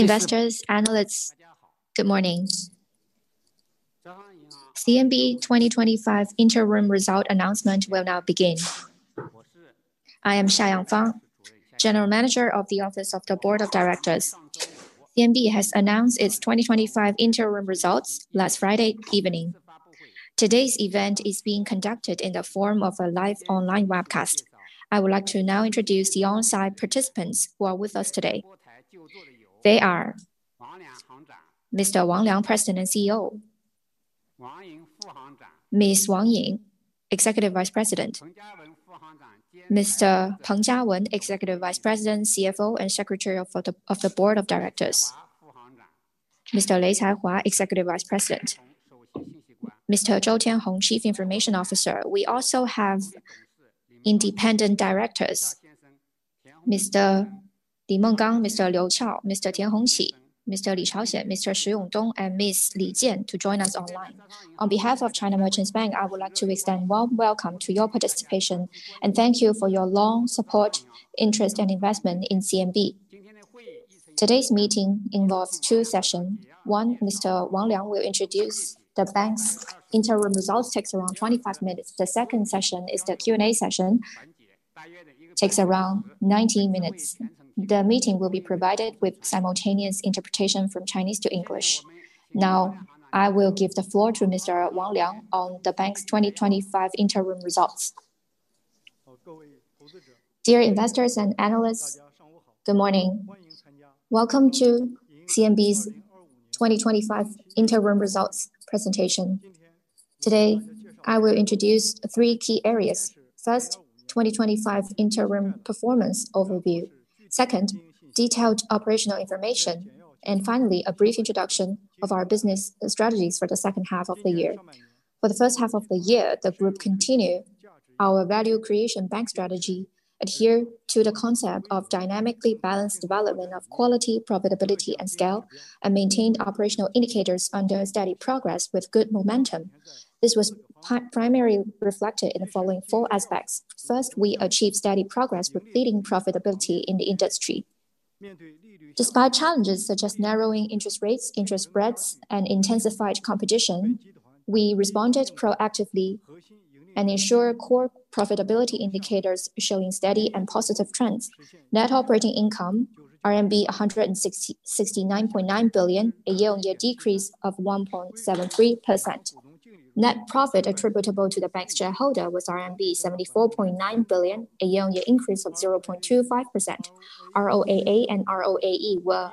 Dear investors, analysts, good morning. CMB's 2025 interim results announcement will now begin. I am Xia Yangfang, General Manager of the Office of the Board of Directors. CMB has announced its 2025 interim results last Friday evening. Today's event is being conducted in the form of a live online webcast. I would like to now introduce the on-site participants who are with us today. They are Mr. Wang Liang, President and CEO, Ms. Wang Ying, Executive Vice President, Mr. Peng Jiawen, Executive Vice President, CFO and Secretary of the Board of Directors, Mr. Lei Caihua, Executive Vice President, Mr. Zhou Tianhong, Chief Information Officer. We also have independent directors, Mr. Li Menggang, Mr. Liu Qiao, Mr. Tian Hongqi, Mr. Li Chaoxian, Mr. Shi Yongdong, and Ms. Li Jian to join us online. On behalf of China Merchants Bank, I would like to extend a warm welcome to your participation and thank you for your long support, interest, and investment in CMB. Today's meeting involves two sessions. One, Mr. Wang Liang will introduce the bank's interim results. It takes around 25 minutes. The second session is the Q&A session. It takes around 19 minutes. The meeting will be provided with simultaneous interpretation from Chinese to English. Now, I will give the floor to Mr. Wang Liang on the bank's 2025 interim results. Dear investors and analysts, good morning. Welcome to CMB's 2025 interim results presentation. Today, I will introduce three key areas. First, 2025 interim performance overview. Second, detailed operational information. And finally, a brief introduction of our business strategies for the second half of the year. For the first half of the year, the group continued our value creation bank strategy adhering to the concept of dynamically balanced development of quality, profitability, and scale, and maintained operational indicators under steady progress with good momentum. This was primarily reflected in the following four aspects. First, we achieved steady progress, completing profitability in the industry. Despite challenges such as narrowing interest rates, interest spreads, and intensified competition, we responded proactively and ensured core profitability indicators showing steady and positive trends. Net operating income: RMB 169.9 billion, a year-on-year decrease of 1.73%. Net profit attributable to the bank's shareholder was RMB 74.9 billion, a year-on-year increase of 0.25%. ROAA and ROAE were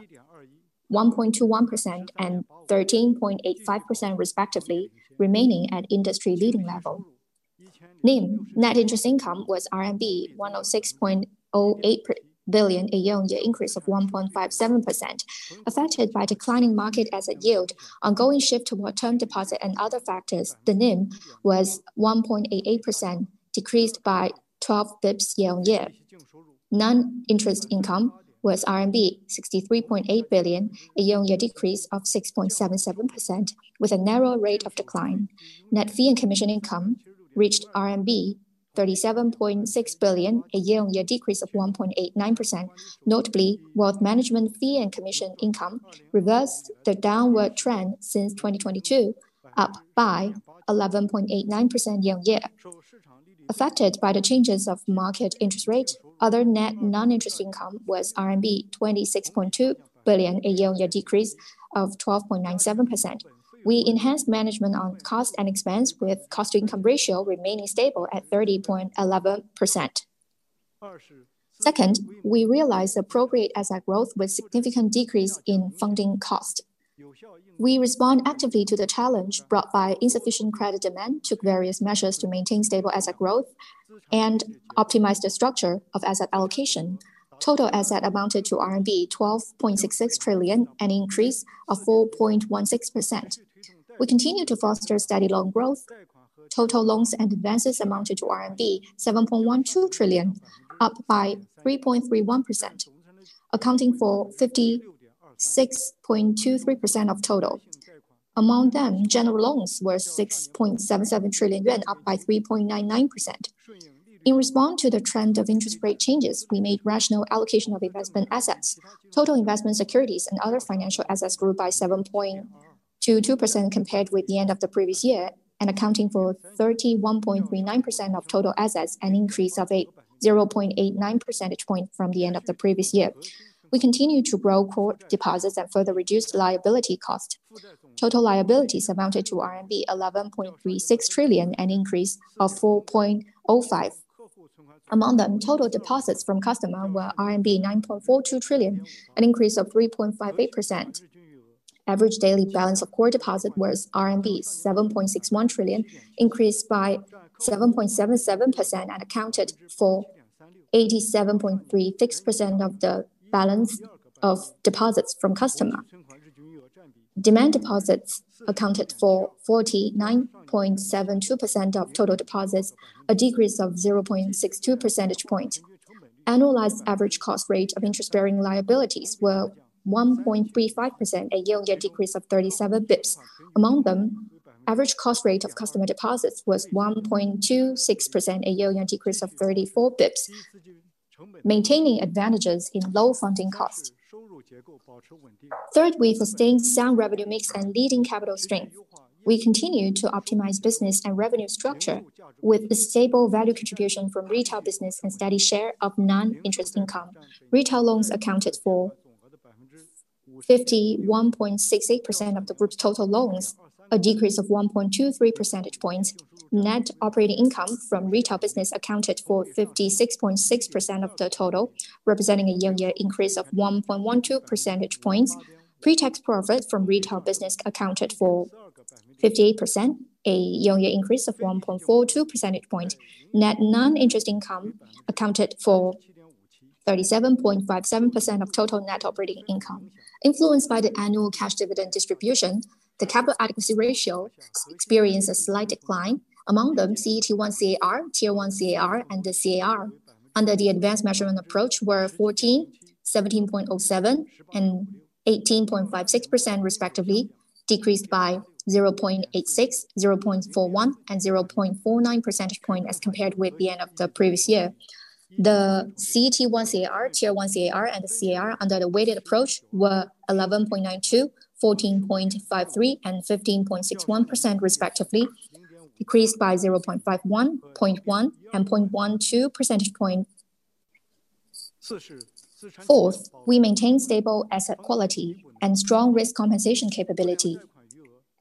1.21% and 13.85% respectively, remaining at industry leading level. NIM, net interest income, was RMB 106.08 billion, a year-on-year increase of 1.57%. Affected by declining market asset yield, ongoing shift toward term deposit, and other factors, the NIM was 1.88%, decreased by 12 basis points year-on-year. Non-interest income was RMB 63.8 billion, a year-on-year decrease of 6.77%, with a narrow rate of decline. Net fee and commission income reached RMB 37.6 billion, a year-on-year decrease of 1.89%. Notably, wealth management fee and commission income reversed the downward trend since 2022, up by 11.89% year-on-year. Affected by the changes of market interest rate, other net non-interest income was RMB 26.2 billion, a year-on-year decrease of 12.97%. We enhanced management on cost and expense, with cost-to-income ratio remaining stable at 30.11%. Second, we realized appropriate asset growth with significant decrease in funding cost. We respond actively to the challenge brought by insufficient credit demand, took various measures to maintain stable asset growth, and optimized the structure of asset allocation. Total asset amounted to RMB 12.66 trillion, an increase of 4.16%. We continue to foster steady loan growth. Total loans and advances amounted to RMB 7.12 trillion, up by 3.31%, accounting for 56.23% of total. Among them, general loans were 6.77 trillion yuan, up by 3.99%. In response to the trend of interest rate changes, we made rational allocation of investment assets. Total investment securities and other financial assets grew by 7.22% compared with the end of the previous year, accounting for 31.39% of total assets, an increase of a 0.89 percentage point from the end of the previous year. We continue to grow core deposits and further reduce liability cost. Total liabilities amounted to RMB 11.36 trillion, an increase of 4.05%. Among them, total deposits from customers were RMB 9.42 trillion, an increase of 3.58%. Average daily balance of core deposits was RMB 7.61 trillion, increased by 7.77%, and accounted for 87.36% of the balance of deposits from customers. Demand deposits accounted for 49.72% of total deposits, a decrease of 0.62 percentage points. Annualized average cost rate of interest-bearing liabilities was 1.35%, a year-on-year decrease of 37 basis points. Among them, average cost rate of customer deposits was 1.26%, a year-on-year decrease of 34 basis points, maintaining advantages in low funding cost. Third, we sustained sound revenue mix and leading capital strength. We continue to optimize business and revenue structure with a stable value contribution from retail business and steady share of non-interest income. Retail loans accounted for 51.68% of the group's total loans, a decrease of 1.23 percentage points. Net operating income from retail business accounted for 56.6% of the total, representing a year-on-year increase of 1.12 percentage points. Pre-tax profit from retail business accounted for 58%, a year-on-year increase of 1.42 percentage points. Net non-interest income accounted for 37.57% of total net operating income. Influenced by the annual cash dividend distribution, the capital adequacy ratio experienced a slight decline. Among them, CET1 CAR, Tier 1 CAR, and the CAR under the advanced measurement approach were 14, 17.07, and 18.56% respectively, decreased by 0.86, 0.41, and 0.49 percentage points as compared with the end of the previous year. The CET1 CAR, Tier 1 CAR, and the CAR under the weighted approach were 11.92, 14.53, and 15.61% respectively, decreased by 0.51, 1.01, and 0.12 percentage points. Fourth, we maintained stable asset quality and strong risk compensation capability.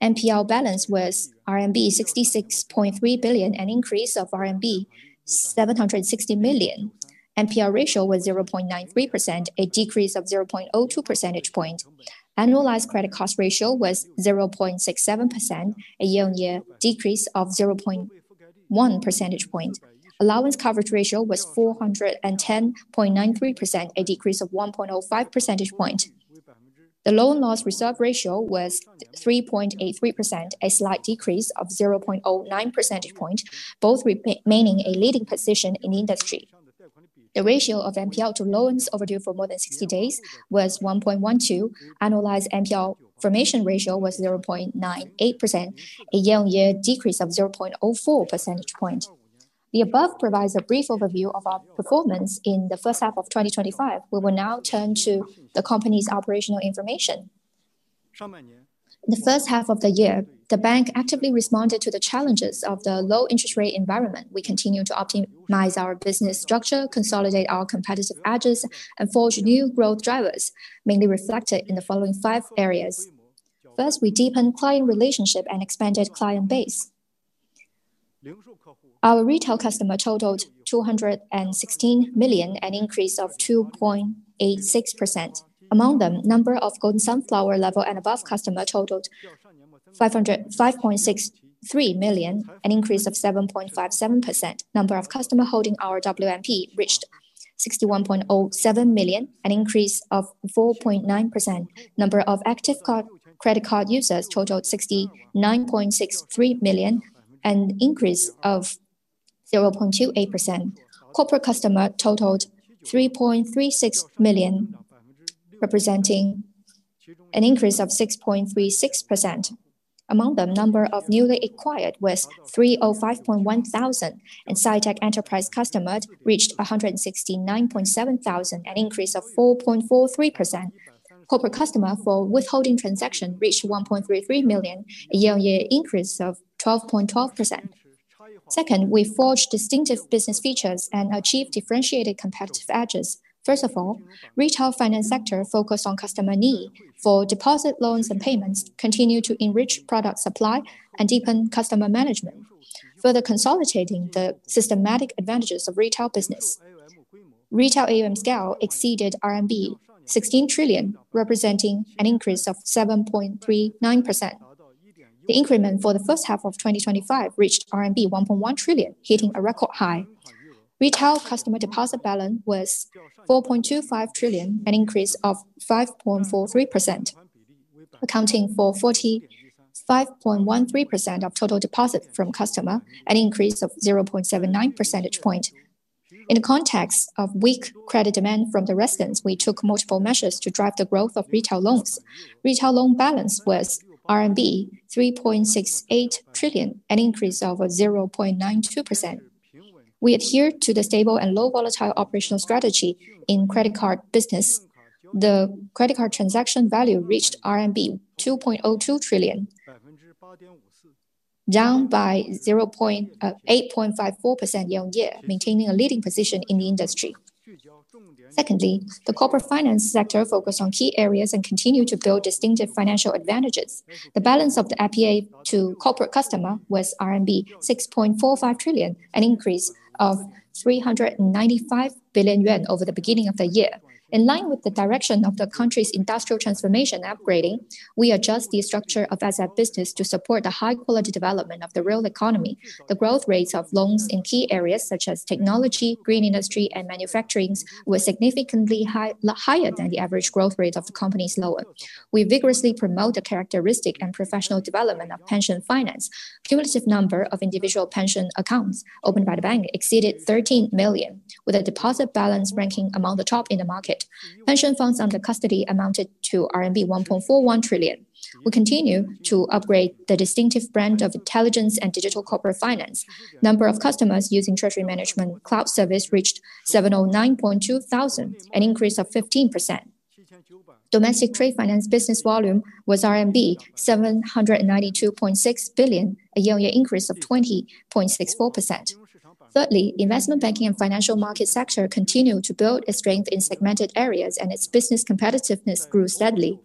NPL balance was RMB 66.3 billion, an increase of RMB 760 million. NPL ratio was 0.93%, a decrease of 0.02 percentage points. Annualized credit cost ratio was 0.67%, a year-on-year decrease of 0.1 percentage points. Allowance coverage ratio was 410.93%, a decrease of 1.05 percentage points. The loan loss reserve ratio was 3.83%, a slight decrease of 0.09 percentage points, both remaining a leading position in the industry. The ratio of NPL to loans overdue for more than 60 days was 1.12. Annualized NPL formation ratio was 0.98%, a year-on-year decrease of 0.04 percentage points. The above provides a brief overview of our performance in the first half of 2025. We will now turn to the company's operational information. The first half of the year, the bank actively responded to the challenges of the low interest rate environment. We continued to optimize our business structure, consolidate our competitive edges, and forge new growth drivers, mainly reflected in the following five areas. First, we deepened client relationships and expanded client base. Our retail customers totaled 216 million, an increase of 2.86%. Among them, the number of Golden Sunflower level and above customers totaled 5.63 million, an increase of 7.57%. The number of customers holding our WMP reached 61.07 million, an increase of 4.9%. The number of active credit card users totaled 69.63 million, an increase of 0.28%. Corporate customers totaled 3.36 million, representing an increase of 6.36%. Among them, the number of newly acquired was 305.1 thousand, and sci-tech enterprise customers reached 169.7 thousand, an increase of 4.43%. Corporate customers for withholding transactions reached 1.33 million, a year-on-year increase of 12.12%. Second, we forged distinctive business features and achieved differentiated competitive edges. First of all, the retail finance sector focused on customer needs for deposit loans and payments, continued to enrich product supply, and deepen customer management, further consolidating the systematic advantages of the retail business. Retail AUM scale exceeded RMB 16 trillion, representing an increase of 7.39%. The increment for the first half of 2025 reached RMB 1.1 trillion, hitting a record high. Retail customer deposit balance was 4.25 trillion, an increase of 5.43%, accounting for 45.13% of total deposits from customers, an increase of 0.79 percentage points. In the context of weak credit demand from the residents, we took multiple measures to drive the growth of retail loans. Retail loan balance was RMB 3.68 trillion, an increase of 0.92%. We adhered to the stable and low volatile operational strategy in credit card business. The credit card transaction value reached RMB 2.02 trillion, down by 0.854% year-on-year, maintaining a leading position in the industry. Secondly, the corporate finance sector focused on key areas and continued to build distinctive financial advantages. The balance of the FPA to corporate customers was RMB 6.45 trillion, an increase of 395 billion yuan over the beginning of the year. In line with the direction of the country's industrial transformation and upgrading, we adjusted the structure of asset business to support the high-quality development of the real economy. The growth rates of loans in key areas such as technology, green industry, and manufacturing were significantly higher than the average growth rate of the company's loans. We vigorously promoted the characteristic and professional development of pension finance. The cumulative number of individual pension accounts opened by the bank exceeded 13 million, with a deposit balance ranking among the top in the market. Pension funds under custody amounted to RMB 1.41 trillion. We continued to upgrade the distinctive brand of intelligent and digital corporate finance. The number of customers using Treasury Management Cloud service reached 709.2 thousand, an increase of 15%. Domestic trade finance business volume was RMB 792.6 billion, a year-on-year increase of 20.64%. Thirdly, investment banking and financial market sector continued to build its strength in segmented areas, and its business competitiveness grew steadily.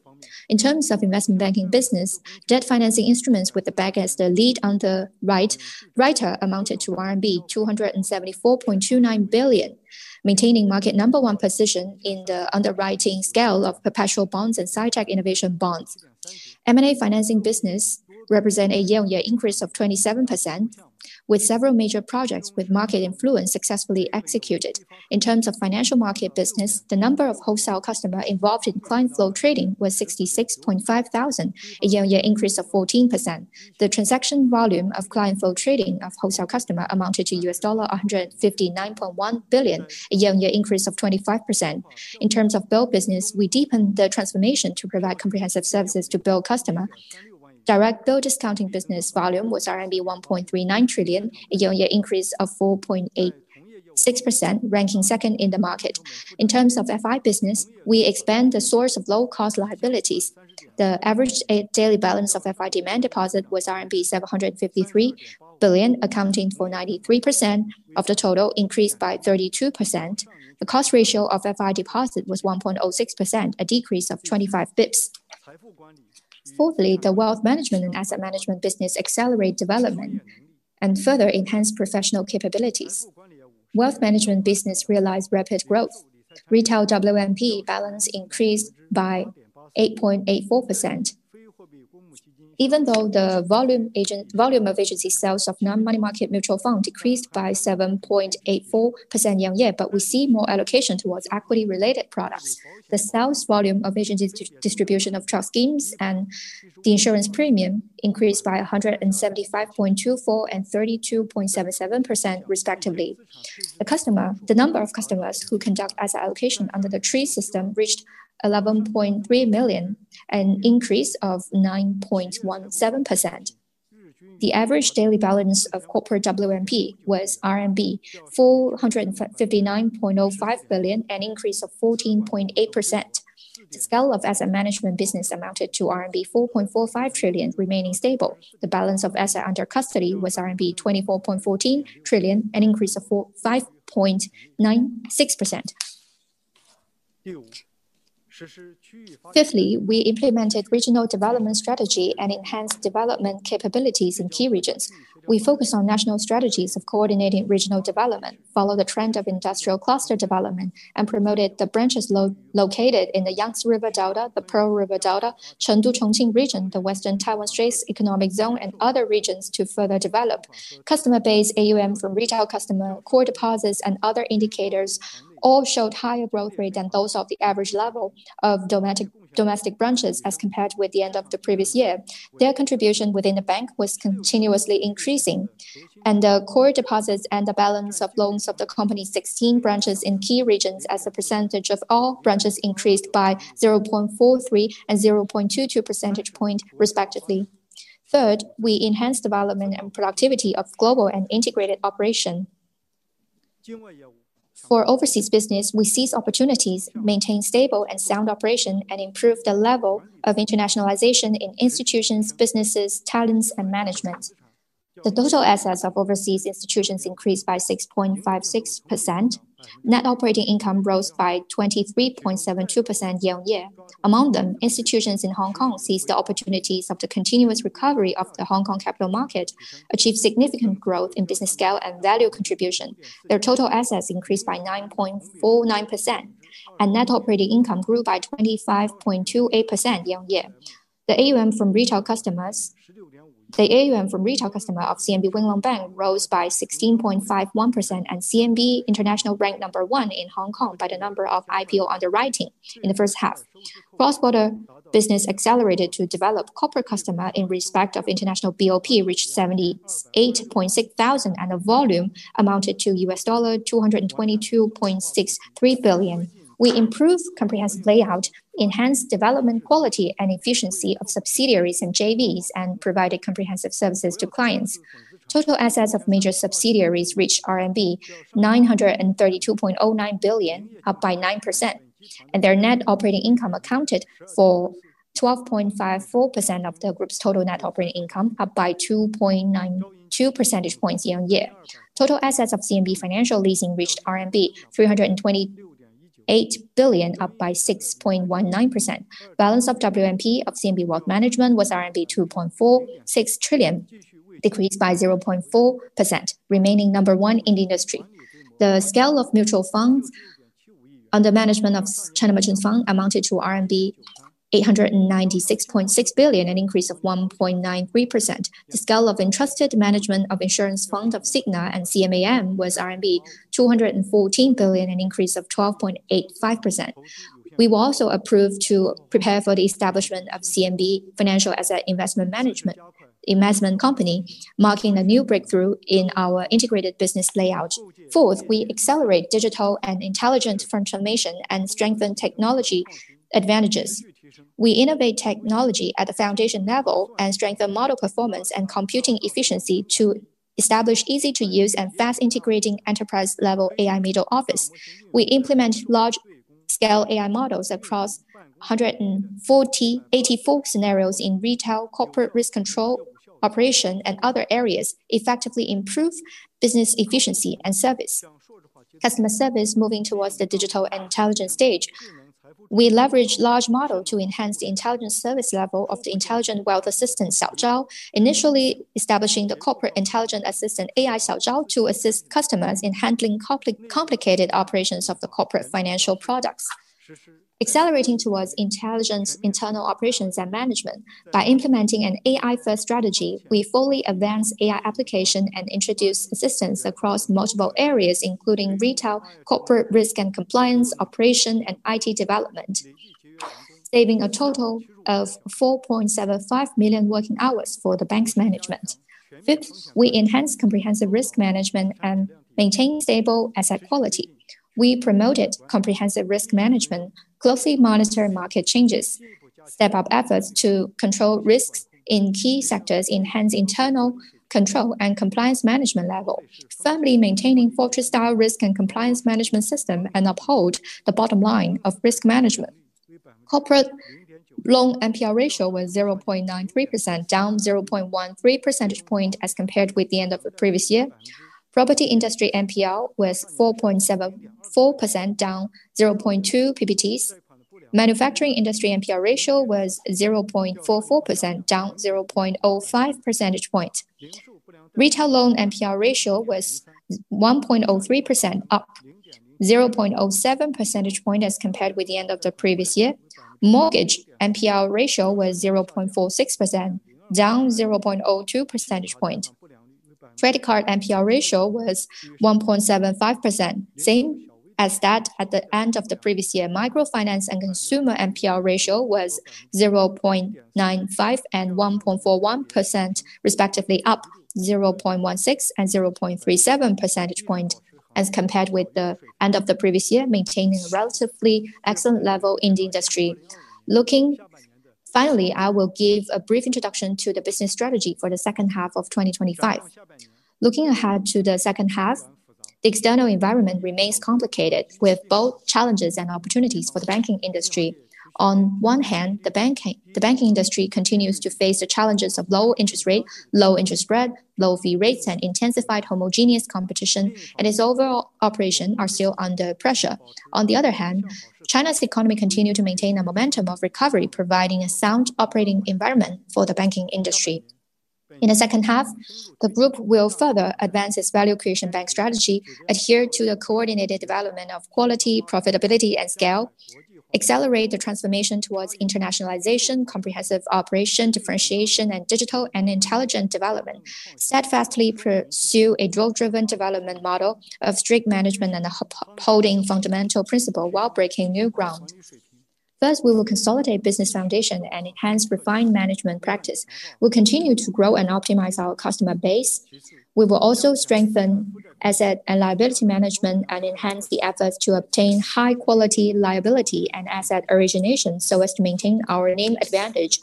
In terms of investment banking business, debt financing instruments with the bank as the lead underwriter amounted to RMB 274.29 billion, maintaining market number one position in the underwriting scale of perpetual bonds and Sci-tech innovation bonds. M&A financing business represented a year-on-year increase of 27%, with several major projects with market influence successfully executed. In terms of financial market business, the number of wholesale customers involved in client flow trading was 66.5 thousand, a year-on-year increase of 14%. The transaction volume of client flow trading of wholesale customers amounted to $159.1 billion, a year-on-year increase of 25%. In terms of bill business, we deepened the transformation to provide comprehensive services to bill customers. Direct bill discounting business volume was RMB 1.39 trillion, a year-on-year increase of 4.86%, ranking second in the market. In terms of FI business, we expanded the source of low-cost liabilities. The average daily balance of FI demand deposits was RMB 753 billion, accounting for 93% of the total, increased by 32%. The cost ratio of FI deposits was 1.06%, a decrease of 25 basis points. Fourthly, the wealth management and asset management business accelerated development and further enhanced professional capabilities. Wealth management business realized rapid growth. Retail WMP balance increased by 8.84%. Even though the volume of agency sales of non-money market mutual funds decreased by 7.84% year-on-year, we see more allocation towards equity-related products. The sales volume of agency distribution of trust schemes and the insurance premium increased by 175.24% and 32.77% respectively. The number of customers who conduct asset allocation under the TREE system reached 11.3 million, an increase of 9.17%. The average daily balance of corporate WMP was RMB 459.05 billion, an increase of 14.8%. The scale of asset management business amounted to RMB 4.45 trillion, remaining stable. The balance of assets under custody was RMB 24.14 trillion, an increase of 5.96%. Fifthly, we implemented regional development strategies and enhanced development capabilities in key regions. We focused on national strategies of coordinating regional development, followed the trend of industrial cluster development, and promoted the branches located in the Yangtze River Delta, the Pearl River Delta, Chengdu-Chongqing region, the Western Taiwan Straits Economic Zone, and other regions to further develop. Customer-based AUM from retail customers, core deposits, and other indicators all showed higher growth rates than those of the average level of domestic branches as compared with the end of the previous year. Their contribution within the bank was continuously increasing, and the core deposits and the balance of loans of the company's 16 branches in key regions as a percentage of all branches increased by 0.43 and 0.22 percentage points respectively. Third, we enhanced development and productivity of global and integrated operations. For overseas business, we seized opportunities, maintained stable and sound operations, and improved the level of internationalization in institutions, businesses, talents, and management. The total assets of overseas institutions increased by 6.56%. Net operating income rose by 23.72% year-on-year. Among them, institutions in Hong Kong seized the opportunities of the continuous recovery of the Hong Kong capital market, achieved significant growth in business scale and value contribution. Their total assets increased by 9.49%, and net operating income grew by 25.28% year-on-year. The AUM from retail customers of CMB Wing Lung Bank rose by 16.51%, and CMB International ranked number one in Hong Kong by the number of IPO underwriting in the first half. Cross-border business accelerated to develop. Corporate customers in respect of international BOP reached 78.6 thousand, and the volume amounted to $222.63 billion. We improved comprehensive layout, enhanced development quality and efficiency of subsidiaries and JVs, and provided comprehensive services to clients. Total assets of major subsidiaries reached RMB 932.09 billion, up by 9%, and their net operating income accounted for 12.54% of the group's total net operating income, up by 2.92 percentage points year-on-year. Total assets of CMB Financial Leasing reached RMB 328 billion, up by 6.19%. Balance of WMP of CMB Wealth Management was RMB 2.46 trillion, decreased by 0.4%, remaining number one in the industry. The scale of mutual funds under management of China Merchants Fund amounted to RMB 896.6 billion, an increase of 1.93%. The scale of entrusted management of insurance funds of Cigna & CMB then was RMB 214 billion, an increase of 12.85%. We were also approved to prepare for the establishment of CMB Financial Asset Investment Co., Ltd., marking a new breakthrough in our integrated business layout. Fourth, we accelerate digital and intelligent transformation and strengthen technology advantages. We innovate technology at the foundation level and strengthen model performance and computing efficiency to establish easy-to-use and fast-integrating enterprise-level AI middle office. We implement large-scale AI models across 140, 84 scenarios in retail, corporate risk control operation, and other areas, effectively improving business efficiency and service. Customer service moving towards the digital and intelligent stage. We leverage large models to enhance the intelligence service level of the intelligent wealth assistant Xiao Zhao, initially establishing the corporate intelligent assistant AI Xiao Zhao to assist customers in handling complicated operations of the corporate financial products. Accelerating towards intelligent internal operations and management by implementing an AI-first strategy, we fully advance AI applications and introduce assistance across multiple areas, including retail, corporate risk and compliance, operation, and IT development, saving a total of 4.75 million working hours for the bank's management. Fifth, we enhance comprehensive risk management and maintain stable asset quality. We promoted comprehensive risk management, closely monitoring market changes, stepped up efforts to control risks in key sectors, enhanced internal control and compliance management level, firmly maintaining fortress-style risk and compliance management system and upheld the bottom line of risk management. Corporate loan NPL ratio was 0.93%, down 0.13 percentage points as compared with the end of the previous year. Property industry NPL was 4.74%, down 0.2 percentage points. Manufacturing industry NPL ratio was 0.44%, down 0.05 percentage points. Retail loan NPL ratio was 1.03%, up 0.07 percentage points as compared with the end of the previous year. Mortgage NPL ratio was 0.46%, down 0.02 percentage points. Credit card NPL ratio was 1.75%, same as that at the end of the previous year. Microfinance and consumer NPL ratio was 0.95% and 1.41% respectively, up 0.16% and 0.37 percentage points as compared with the end of the previous year, maintaining a relatively excellent level in the industry. Finally, I will give a brief introduction to the business strategy for the second half of 2025. Looking ahead to the second half, the external environment remains complicated with both challenges and opportunities for the banking industry. On one hand, the banking industry continues to face the challenges of low interest rates, low interest spreads, low fee rates, and intensified homogeneous competition, and its overall operations are still under pressure. On the other hand, China's economy continues to maintain a momentum of recovery, providing a sound operating environment for the banking industry. In the second half, the group will further advance its value creation bank strategy, adhere to the coordinated development of quality, profitability, and scale, accelerate the transformation towards internationalization, comprehensive operation differentiation, and digital and intelligent development, steadfastly pursue a drive-driven development model of strict management and upholding fundamental principles while breaking new ground. First, we will consolidate business foundations and enhance refined management practices. We will continue to grow and optimize our customer base. We will also strengthen asset and liability management and enhance the efforts to obtain high-quality liability and asset origination so as to maintain our NIM advantage,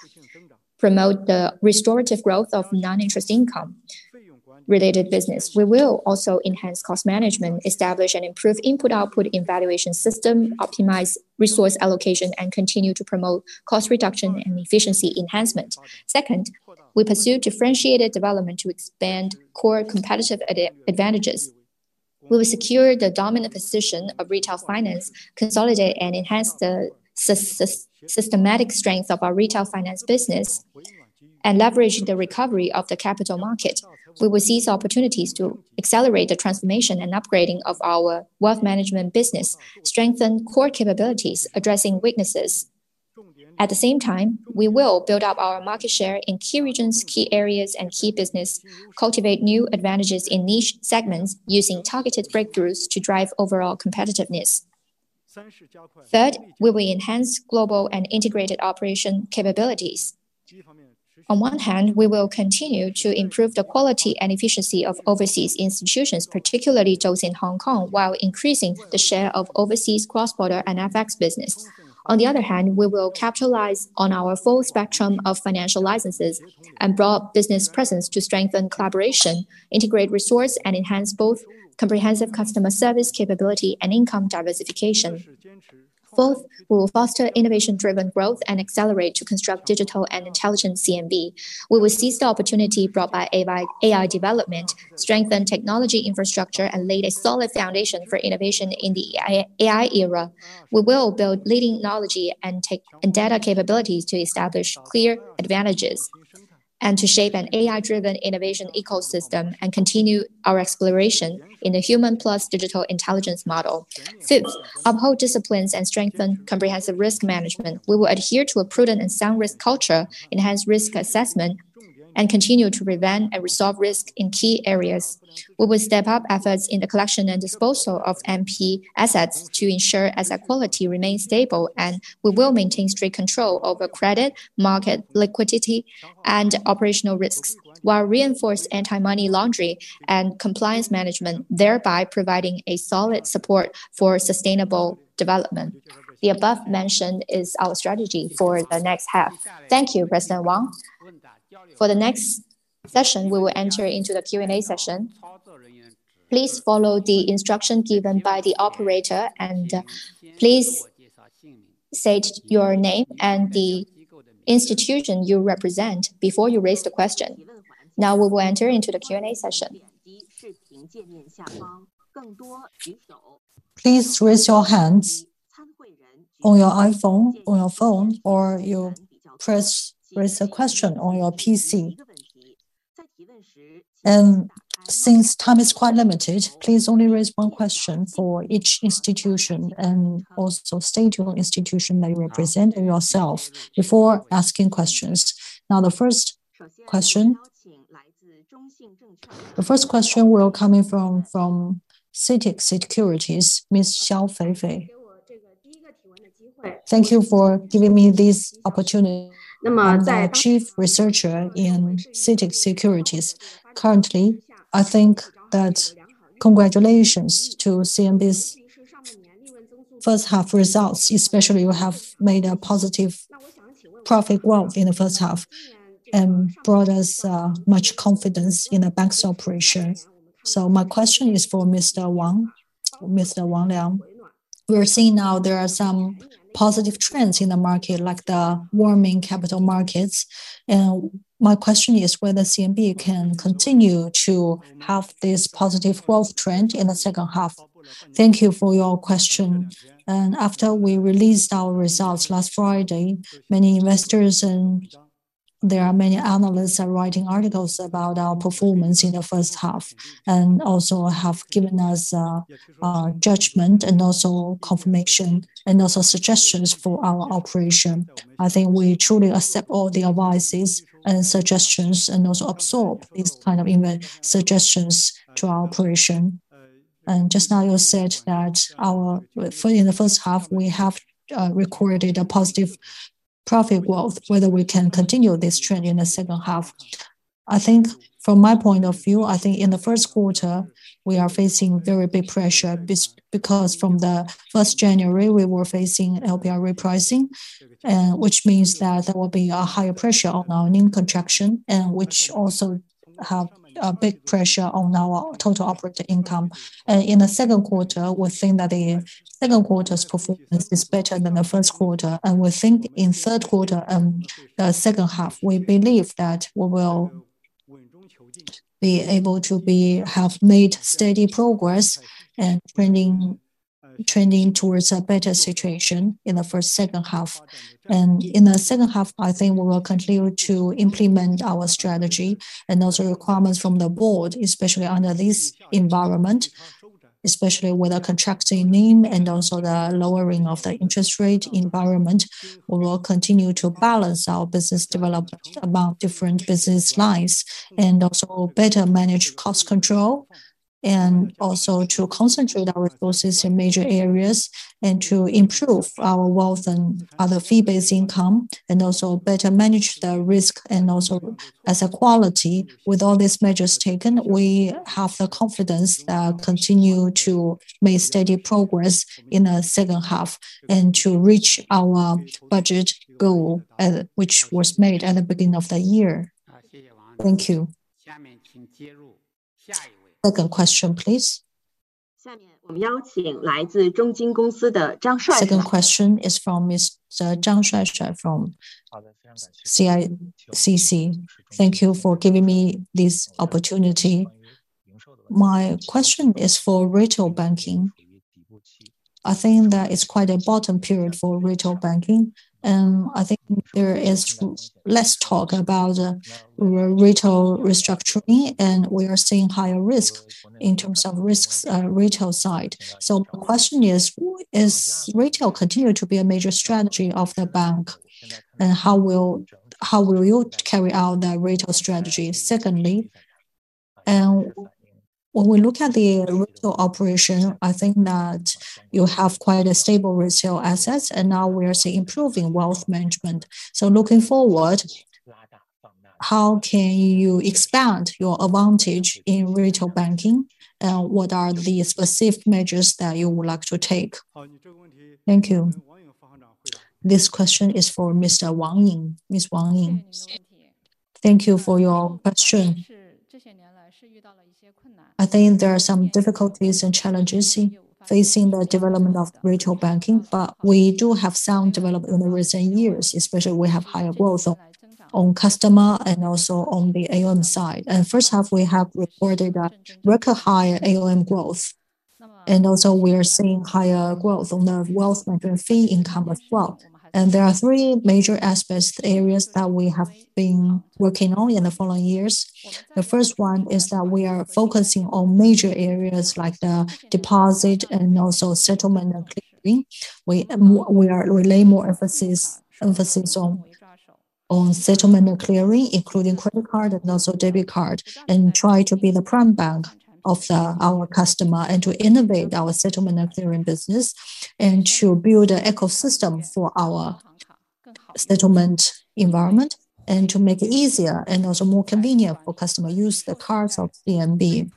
promote the restorative growth of non-interest income-related business. We will also enhance cost management, establish and improve input-output evaluation systems, optimize resource allocation, and continue to promote cost reduction and efficiency enhancement. Second, we pursue differentiated development to expand core competitive advantages. We will secure the dominant position of retail finance, consolidate and enhance the systematic strength of our retail finance business, and leverage the recovery of the capital market. We will seize opportunities to accelerate the transformation and upgrading of our wealth management business, strengthen core capabilities, addressing weaknesses. At the same time, we will build up our market share in key regions, key areas, and key businesses, cultivate new advantages in niche segments using targeted breakthroughs to drive overall competitiveness. Third, we will enhance global and integrated operation capabilities. On one hand, we will continue to improve the quality and efficiency of overseas institutions, particularly those in Hong Kong, while increasing the share of overseas cross-border and FX business. On the other hand, we will capitalize on our full spectrum of financial licenses and broad business presence to strengthen collaboration, integrate resources, and enhance both comprehensive customer service capability and income diversification. Fourth, we will foster innovation-driven growth and accelerate to construct digital and intelligent CMB. We will seize the opportunity brought by AI development, strengthen technology infrastructure, and lay a solid foundation for innovation in the AI era. We will build leading knowledge and data capabilities to establish clear advantages and to shape an AI-driven innovation ecosystem and continue our exploration in the human plus digital intelligence model. Fifth, uphold disciplines and strengthen comprehensive risk management. We will adhere to a prudent and sound risk culture, enhance risk assessment, and continue to prevent and resolve risks in key areas. We will step up efforts in the collection and disposal of NPL assets to ensure asset quality remains stable, and we will maintain strict control over credit market liquidity and operational risks while reinforcing anti-money laundering and compliance management, thereby providing a solid support for sustainable development. The above mentioned is our strategy for the next half. Thank you, President Wang. For the next session, we will enter into the Q&A session. Please follow the instructions given by the operator, and please state your name and the institution you represent before you raise the question. Now we will enter into the Q&A session. Please raise your hands on your iPhone, on your phone, or you press raise a question on your PC. Since time is quite limited, please only raise one question for each institution and also state your institution that you represent yourself before asking questions. Now, the first question will come in from CITIC Securities, Ms. Xiao Feifei. Thank you for giving me this opportunity. I'm a chief researcher in CITIC Securities. Currently, I think that congratulations to CMB's first-half results, especially you have made a positive profit growth in the first half and brought us much confidence in the bank's operation. So my question is for Mr. Wang, Mr. Wang Liang. We're seeing now there are some positive trends in the market, like the warming capital markets. And my question is whether CMB can continue to have this positive growth trend in the second half. Thank you for your question. After we released our results last Friday, many investors and there are many analysts are writing articles about our performance in the first half and also have given us judgment and also confirmation and also suggestions for our operation. I think we truly accept all the advices and suggestions and also absorb these kind of suggestions to our operation. Just now you said that in the first half, we have recorded a positive profit growth, whether we can continue this trend in the second half. I think from my point of view, I think in the first quarter, we are facing very big pressure because from the 1st January, we were facing LPR repricing, which means that there will be a higher pressure on our NIM contraction and which also have a big pressure on our total operating income. In the second quarter, we think that the second quarter's performance is better than the first quarter. We think in third quarter and the second half, we believe that we will be able to have made steady progress and trending towards a better situation in the first second half. In the second half, I think we will continue to implement our strategy and also requirements from the board, especially under this environment, especially with a contracting economy and also the lowering of the interest rate environment. We will continue to balance our business development among different business lines and also better manage cost control and also to concentrate our resources in major areas and to improve our wealth and other fee-based income and also better manage the risk and also asset quality. With all these measures taken, we have the confidence that continue to make steady progress in the second half and to reach our budget goal, which was made at the beginning of the year. Thank you. Second question, please. Second question is from Mr. Zhang Shuaishuai from CICC. Thank you for giving me this opportunity. My question is for retail banking. I think that it's quite a bottom period for retail banking, and I think there is less talk about retail restructuring, and we are seeing higher risk in terms of retail side. So my question is, will retail continue to be a major strategy of the bank, and how will you carry out that retail strategy? Secondly, when we look at the retail operation, I think that you have quite a stable retail asset, and now we are seeing improving wealth management. So looking forward, how can you expand your advantage in retail banking, and what are the specific measures that you would like to take? Thank you. This question is for Mr. Wang Ying. Thank you for your question. I think there are some difficulties and challenges facing the development of retail banking, but we do have sound development in the recent years, especially we have higher growth on customer and also on the AUM side. And first half, we have reported a record high AUM growth, and also we are seeing higher growth on the wealth management fee income as well. And there are three major aspects, areas that we have been working on in the following years. The first one is that we are focusing on major areas like the deposit and also settlement and clearing. We are placing more emphasis on settlement and clearing, including credit card and also debit card, and try to be the prime bank of our customer and to innovate our settlement and clearing business and to build an ecosystem for our settlement environment and to make it easier and also more convenient for customer use the cards of CMB.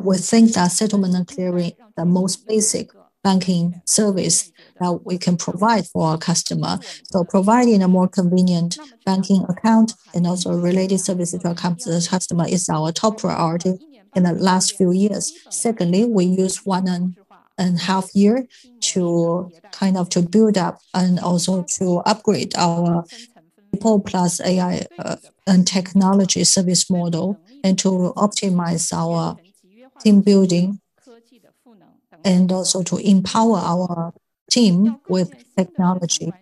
We think that settlement and clearing is the most basic banking service that we can provide for our customer. So providing a more convenient banking account and also related services to our customer is our top priority in the last few years. Secondly, we use 1.5 years to kind of build up and also to upgrade our people plus AI and technology service model and to optimize our team building and also to empower our team with technology.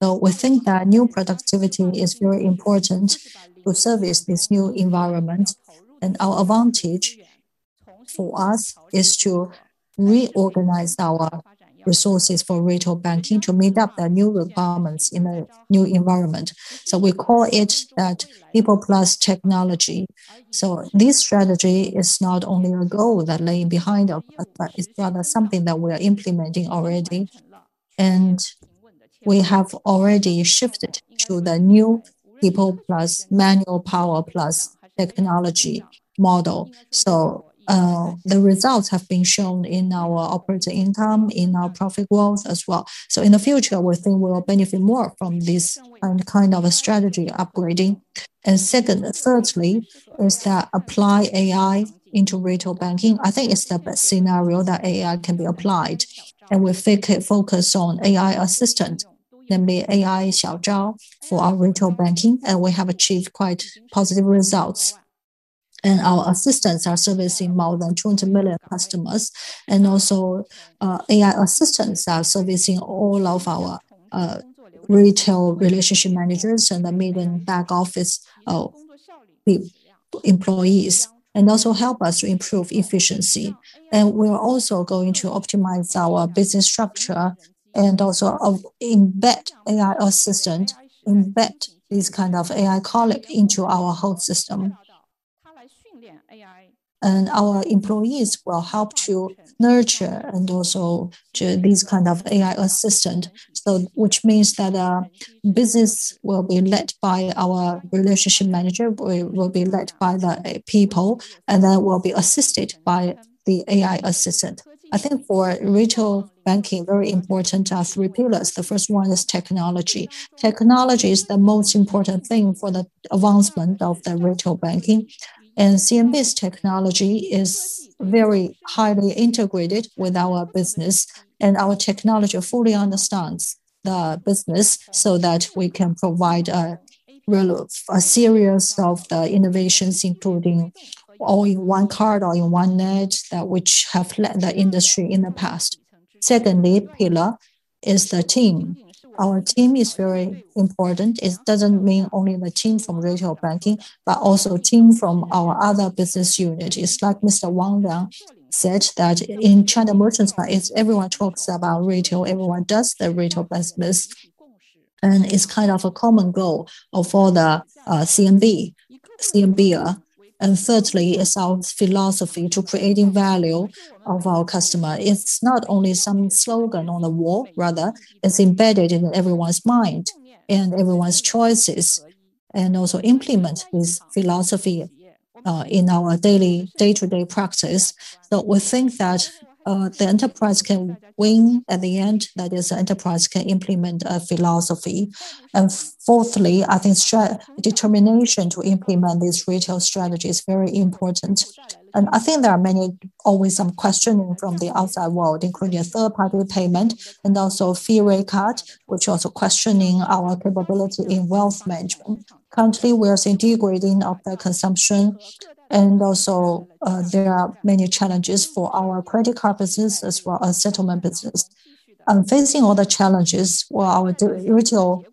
We think that new productivity is very important to service this new environment, and our advantage for us is to reorganize our resources for retail banking to meet the new requirements in the new environment. We call it that people plus technology. This strategy is not only a goal that is lagging behind us, but it's rather something that we are implementing already, and we have already shifted to the new people plus manpower plus technology model. The results have been shown in our operating income, in our profit growth as well. In the future, we think we will benefit more from this kind of a strategy upgrading. And thirdly, that is to apply AI into retail banking. I think it's the best scenario that AI can be applied, and we focus on AI assistant, namely AI Xiao Zhao for our retail banking, and we have achieved quite positive results, and our assistants are servicing more than 20 million customers, and also AI assistants are servicing all of our retail relationship managers and the meeting back office employees and also help us to improve efficiency, and we are also going to optimize our business structure and also embed AI assistant, embed this kind of AI colleague into our whole system, and our employees will help to nurture and also do this kind of AI assistant, which means that business will be led by our relationship manager, will be led by the people, and then will be assisted by the AI assistant. I think for retail banking, very important are three pillars. The first one is technology. Technology is the most important thing for the advancement of the retail banking. CMB's technology is very highly integrated with our business, and our technology fully understands the business so that we can provide a series of innovations, including All-in-one Card or All-in-one Net, which have led the industry in the past. Secondly, pillar is the team. Our team is very important. It doesn't mean only the team from retail banking, but also team from our other business unit. It's like Mr. Wang Liang said that in China Merchants, everyone talks about retail, everyone does the retail business, and it's kind of a common goal for the CMBers. Thirdly, it's our philosophy to create value of our customer. It's not only some slogan on the wall; rather, it's embedded in everyone's mind and everyone's choices, and also implement this philosophy in our daily day-to-day practice, so we think that the enterprise can win at the end, that is, the enterprise can implement a philosophy, and fourthly, I think determination to implement this retail strategy is very important, and I think there are many always some questioning from the outside world, including a third-party payment and also fee rate cut, which also questioning our capability in wealth management. Currently, we are seeing degrading of the consumption, and also there are many challenges for our credit card business as well as settlement business. I'm facing all the challenges while our retail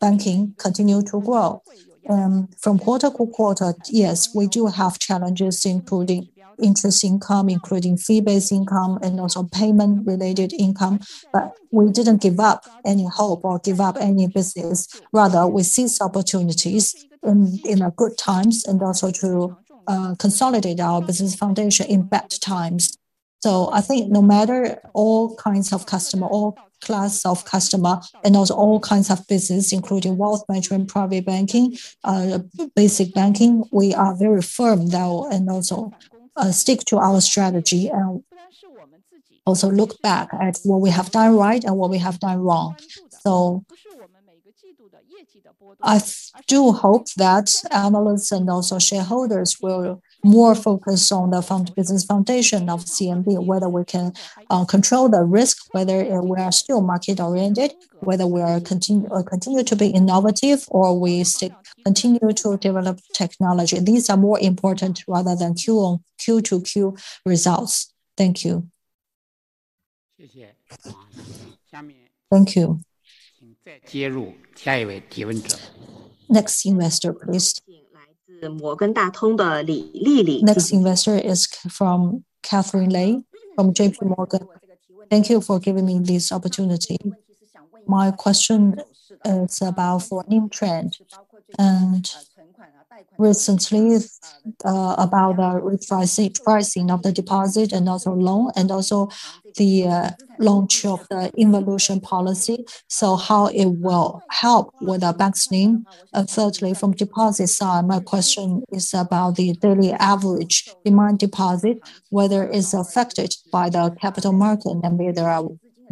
banking continues to grow. And from quarter to quarter, yes, we do have challenges, including interest income, including fee-based income, and also payment-related income, but we didn't give up any hope or give up any business. Rather, we see opportunities in good times and also to consolidate our business foundation in bad times. So I think no matter all kinds of customer, all class of customer, and also all kinds of business, including wealth management, private banking, basic banking, we are very firm and also stick to our strategy and also look back at what we have done right and what we have done wrong. So I do hope that analysts and also shareholders will more focus on the business foundation of CMB, whether we can control the risk, whether we are still market-oriented, whether we continue to be innovative, or we continue to develop technology. These are more important rather than Q2Q results. Thank you. Thank you. Next investor, please. Next investor is from Katherine Lei from JPMorgan. Thank you for giving me this opportunity. My question is about NIM trend and recently about the pricing of the deposit and also loan and also the launch of the anti-involution policy, so how it will help with the bank's NIM. And thirdly, from deposit side, my question is about the daily average demand deposit, whether it's affected by the capital market, and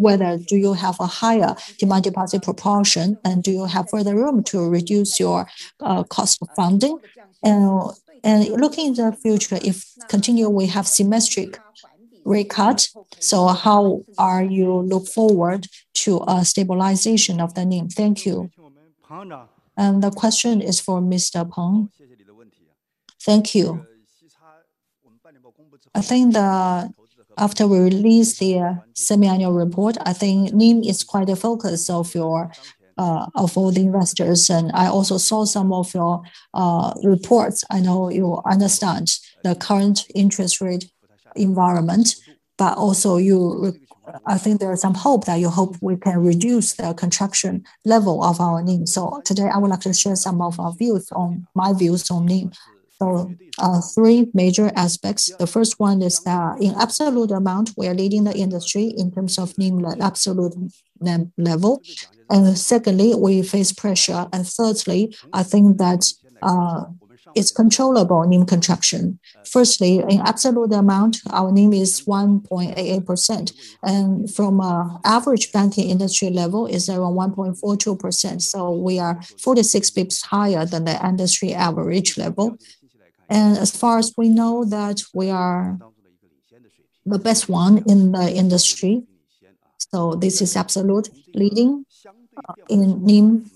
whether do you have a higher demand deposit proportion, and do you have further room to reduce your cost of funding. And looking in the future, if continue we have symmetric rate cut, so how are you look forward to a stabilization of the NIM? Thank you. And the question is for Mr. Peng. Thank you. I think after we release the semi-annual report, I think NIM is quite a focus of all the investors, and I also saw some of your reports. I know you understand the current interest rate environment, but also I think there is some hope that you hope we can reduce the contraction level of our NIM. So today, I would like to share some of my views on NIM. So three major aspects. The first one is that in absolute amount, we are leading the industry in terms of NIM absolute level. And secondly, we face pressure. And thirdly, I think that it's controllable NIM contraction. Firstly, in absolute amount, our NIM is 1.88%, and from an average banking industry level, it's around 1.42%. So we are 46 basis points higher than the industry average level. And as far as we know, that we are the best one in the industry. So this is absolute leading in NIM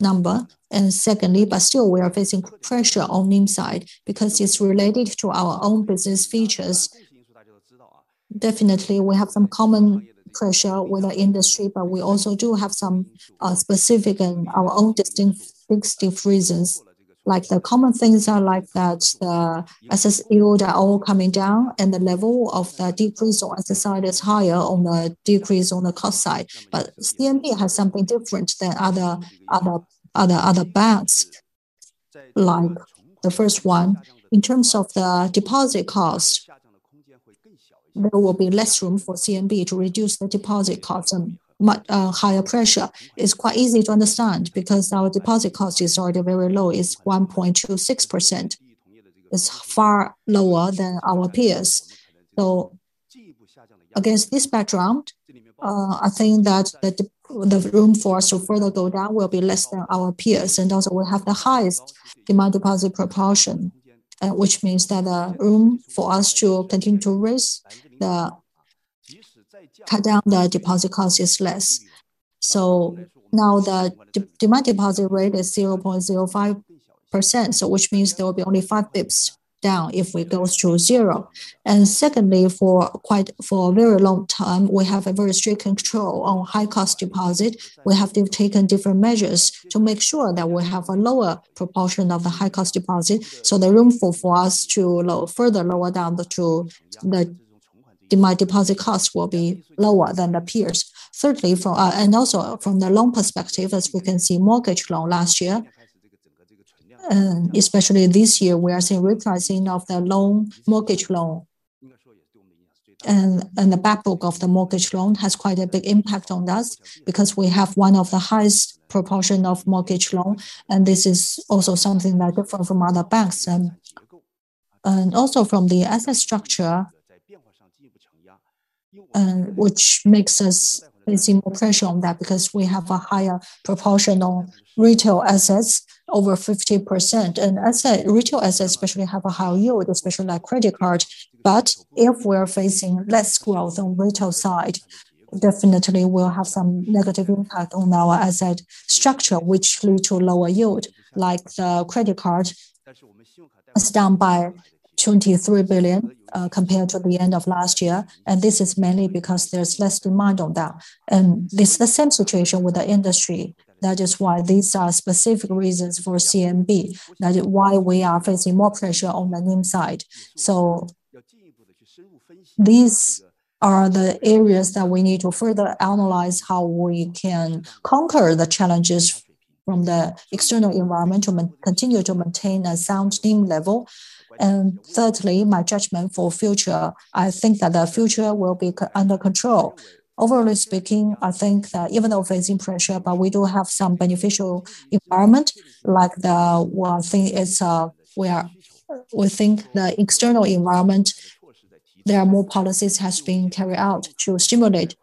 number. And secondly, but still, we are facing pressure on NIM side because it's related to our own business features. Definitely, we have some common pressure with the industry, but we also do have some specific and our own distinct fixed differences. Like the common things are like that the LPRs are all coming down, and the level of the decrease on LPR is higher than the decrease on the cost side. But CMB has something different than other banks, like the first one. In terms of the deposit cost, there will be less room for CMB to reduce the deposit cost and higher pressure. It's quite easy to understand because our deposit cost is already very low. It's 1.26%. It's far lower than our peers. Against this background, I think that the room for us to further go down will be less than our peers. And also, we have the highest demand deposit proportion, which means that the room for us to continue to raise the cut down the deposit cost is less. So now the demand deposit rate is 0.05%, which means there will be only five basis points down if we go to zero. And secondly, for quite a very long time, we have a very strict control on high-cost deposit. We have to take different measures to make sure that we have a lower proportion of the high-cost deposit. So the room for us to further lower down to the demand deposit cost will be lower than the peers. And also from the loan perspective, as we can see, mortgage loan last year, and especially this year, we are seeing repricing of the loan mortgage loan. And the backbook of the mortgage loan has quite a big impact on us because we have one of the highest proportion of mortgage loan. And this is also something that is different from other banks. And also from the asset structure, which makes us facing more pressure on that because we have a higher proportion on retail assets, over 50%. And retail assets especially have a high yield, especially like credit card. But if we are facing less growth on retail side, definitely we'll have some negative impact on our asset structure, which leads to lower yield, like the credit card down by 23 billion compared to the end of last year. And this is mainly because there's less demand on that. This is the same situation with the industry. That is why these are specific reasons for CMB, that is why we are facing more pressure on the NIM side. These are the areas that we need to further analyze how we can conquer the challenges from the external environment to continue to maintain a sound NIM level. Thirdly, my judgment for future, I think that the future will be under control. Overall speaking, I think that even though facing pressure, but we do have some beneficial environment, like the one thing is we think the external environment, there are more policies that have been carried out to stimulate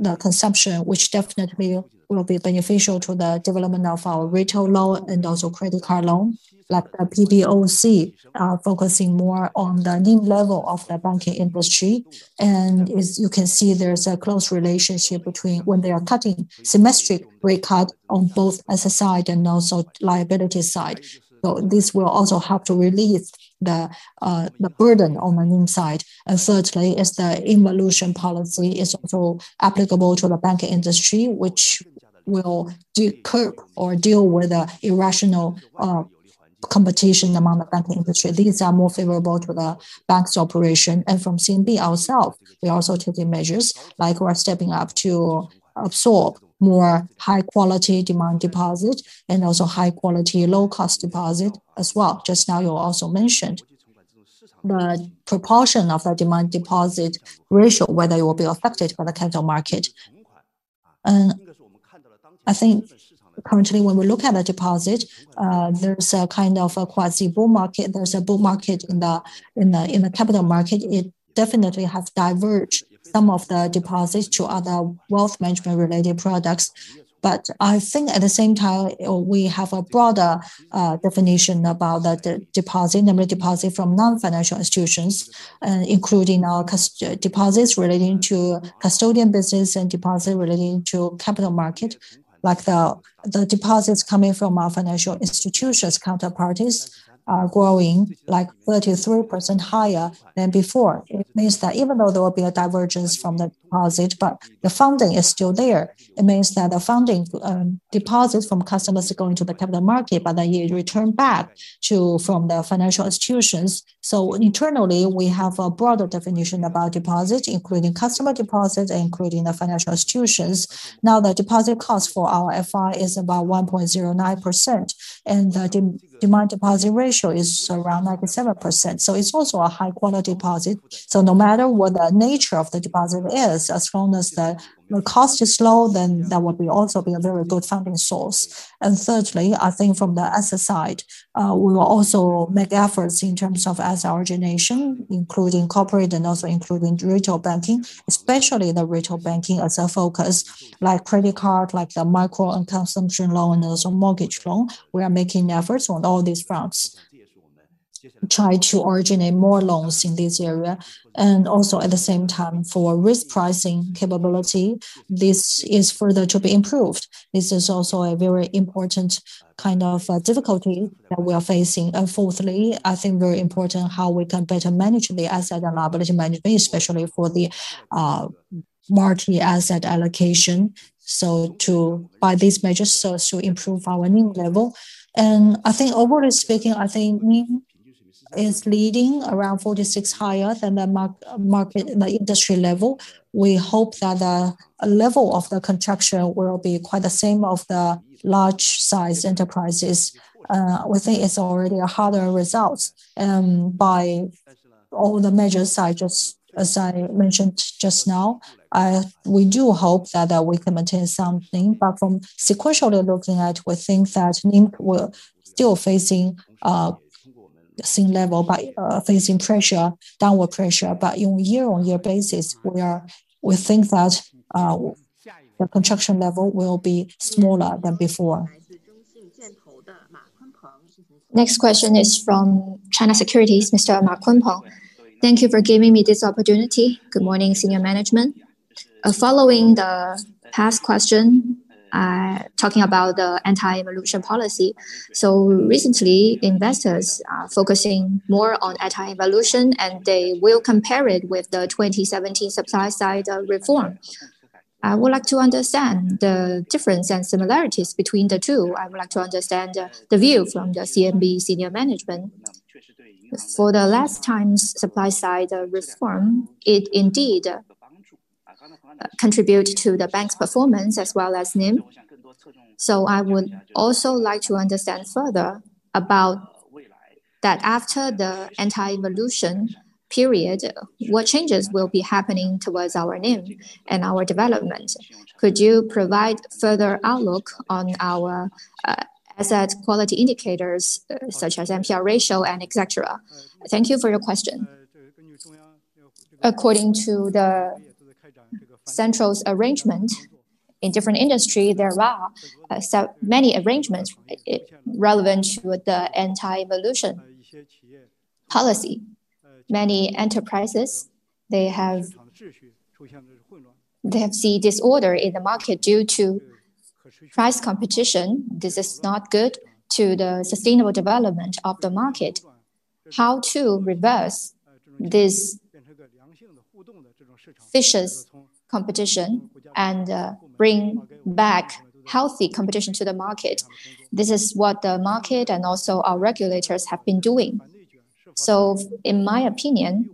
the consumption, which definitely will be beneficial to the development of our retail loan and also credit card loan, like the PBOC focusing more on the NIM level of the banking industry. You can see there's a close relationship between when they are cutting symmetric rate cut on both asset side and also liability side. This will also help to relieve the burden on the NIM side. Thirdly, the anti-involution policy is also applicable to the banking industry, which will curb or deal with the irrational competition among the banking industry. These are more favorable to the bank's operation. From CMB ourselves, we are also taking measures like we're stepping up to absorb more high-quality demand deposit and also high-quality low-cost deposit as well. Just now, you also mentioned the proportion of the demand deposit ratio, whether it will be affected by the capital market. I think currently, when we look at the deposit, there's a kind of a quasi-boom market. There's a boom market in the capital market. It definitely has diverged some of the deposits to other wealth management-related products. But I think at the same time, we have a broader definition about the deposit, namely deposit from non-financial institutions, including our deposits relating to custodian business and deposit relating to capital market. Like the deposits coming from our financial institutions counterparties are growing like 33% higher than before. It means that even though there will be a divergence from the deposit, but the funding is still there. It means that the funding deposits from customers are going to the capital market, but then you return back from the financial institutions. So internally, we have a broader definition about deposit, including customer deposit and including the financial institutions. Now, the deposit cost for our FI is about 1.09%, and the demand deposit ratio is around 97%. So it's also a high-quality deposit. No matter what the nature of the deposit is, as long as the cost is low, then that will also be a very good funding source. And thirdly, I think from the asset side, we will also make efforts in terms of asset origination, including corporate and also including retail banking, especially the retail banking as a focus, like credit card, like the micro and consumer loan, and also mortgage loan. We are making efforts on all these fronts, trying to originate more loans in this area. And also, at the same time, for risk pricing capability, this is further to be improved. This is also a very important kind of difficulty that we are facing. And fourthly, I think very important how we can better manage the asset and liability management, especially for the market asset allocation. By these measures to improve our NIM level. I think overall speaking, I think NIM is leading around 46 higher than the industry level. We hope that the level of the contraction will be quite the same of the large-sized enterprises. We think it's already a harder result by all the major sides, as I mentioned just now. We do hope that we can maintain something, but from sequentially looking at, we think that NIM will still face the same level by facing pressure, downward pressure. On a year-on-year basis, we think that the contraction level will be smaller than before. Next question is from China Securities, Mr. Ma Kunpeng. Thank you for giving me this opportunity. Good morning, senior management. Following the past question, talking about the anti-involution policy. Recently, investors are focusing more on anti-involution, and they will compare it with the 2017 supply-side reform. I would like to understand the difference and similarities between the two. I would like to understand the view from the CMB senior management. For the last time's supply-side reform, it indeed contributed to the bank's performance as well as NIM. So I would also like to understand further about that after the anti-involution period, what changes will be happening towards our NIM and our development. Could you provide further outlook on our asset quality indicators such as NPL ratio and etc.? Thank you for your question. According to the central arrangement in different industries, there are many arrangements relevant to the anti-involution policy. Many enterprises, they have seen disorder in the market due to price competition. This is not good to the sustainable development of the market. How to reverse this vicious competition and bring back healthy competition to the market? This is what the market and also our regulators have been doing. In my opinion,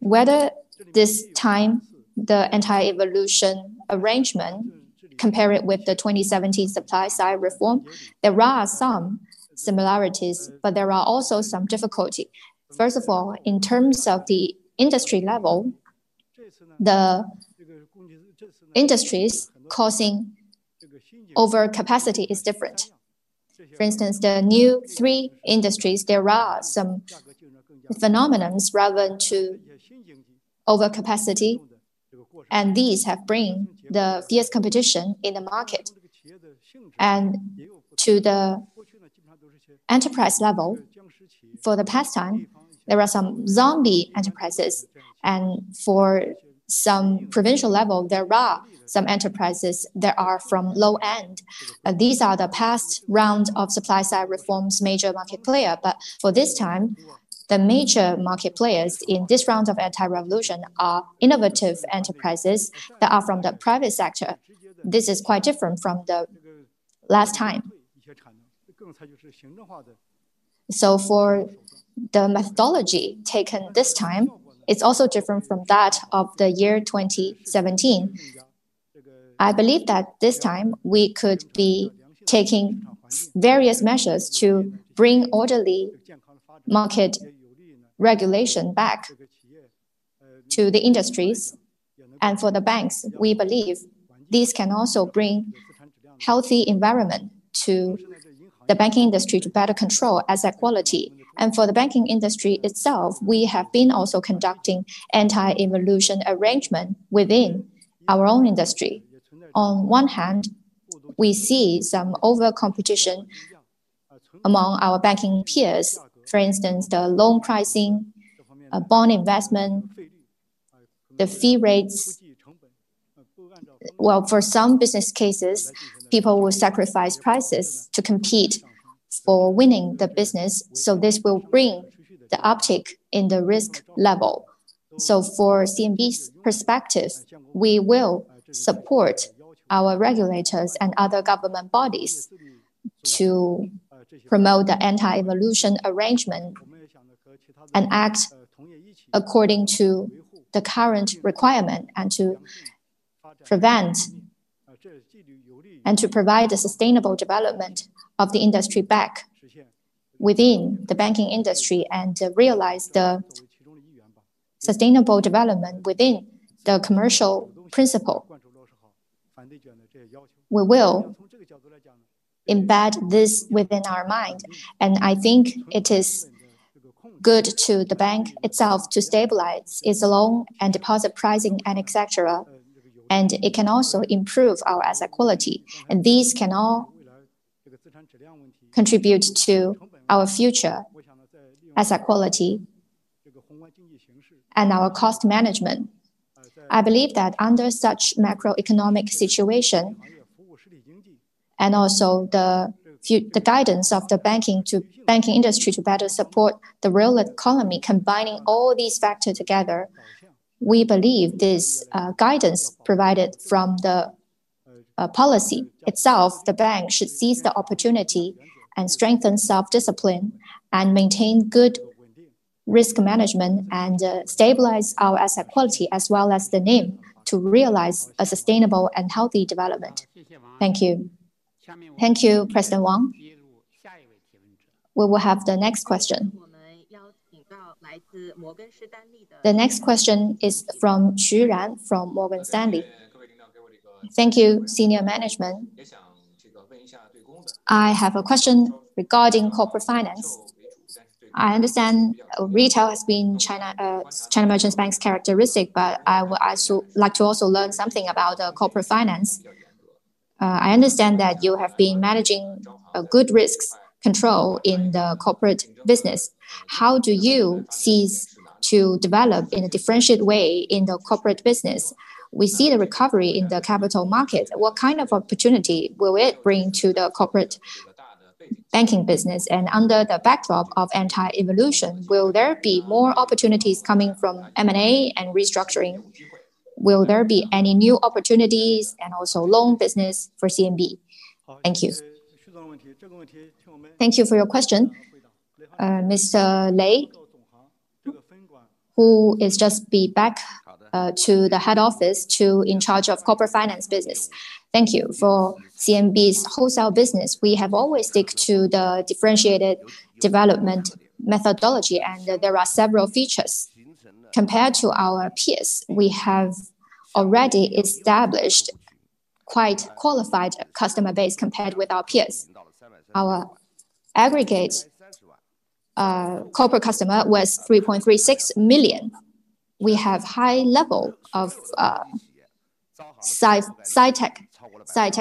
whether this time the anti-involution arrangement, compared with the 2017 supply-side reform, there are some similarities, but there are also some difficulties. First of all, in terms of the industry level, the industries causing overcapacity is different. For instance, the new three industries, there are some phenomena relevant to overcapacity, and these have brought the fierce competition in the market. To the enterprise level, for the past time, there are some zombie enterprises. For some provincial level, there are some enterprises that are from low end. These are the past round of supply-side reforms, major market players. For this time, the major market players in this round of anti-involution are innovative enterprises that are from the private sector. This is quite different from the last time. For the methodology taken this time, it's also different from that of the year 2017. I believe that this time we could be taking various measures to bring orderly market regulation back to the industries. For the banks, we believe these can also bring a healthy environment to the banking industry to better control asset quality. For the banking industry itself, we have been also conducting anti-involution arrangements within our own industry. On one hand, we see some over-competition among our banking peers. For instance, the loan pricing, bond investment, the fee rates. Well, for some business cases, people will sacrifice prices to compete for winning the business. This will bring the uptick in the risk level. So for CMB's perspective, we will support our regulators and other government bodies to promote the anti-involution arrangement and act according to the current requirement and to prevent and to provide a sustainable development of the industry back within the banking industry and realize the sustainable development within the commercial principle. We will embed this within our mind. And I think it is good to the bank itself to stabilize its loan and deposit pricing and etc. And it can also improve our asset quality. And these can all contribute to our future asset quality and our cost management. I believe that under such macroeconomic situation and also the guidance of the banking industry to better support the real economy, combining all these factors together, we believe this guidance provided from the policy itself, the bank should seize the opportunity and strengthen self-discipline and maintain good risk management and stabilize our asset quality as well as the NIM to realize a sustainable and healthy development. Thank you. Thank you, President Wang. We will have the next question. The next question is from Xu Ran from Morgan Stanley. Thank you, senior management. I have a question regarding corporate finance. I understand retail has been China Merchants Bank's characteristic, but I would like to also learn something about corporate finance. I understand that you have been managing good risk control in the corporate business. How do you seek to develop in a differentiated way in the corporate business? We see the recovery in the capital market. What kind of opportunity will it bring to the corporate banking business? And under the backdrop of anti-involution, will there be more opportunities coming from M&A and restructuring? Will there be any new opportunities and also loan business for CMB? Thank you. Thank you for your question, Mr. Lei, who has just been back to the head office in charge of corporate finance business. Thank you for CMB's wholesale business. We have always stuck to the differentiated development methodology, and there are several features. Compared to our peers, we have already established quite a qualified customer base compared with our peers. Our aggregate corporate customers was 3.36 million. We have a high level of sci-tech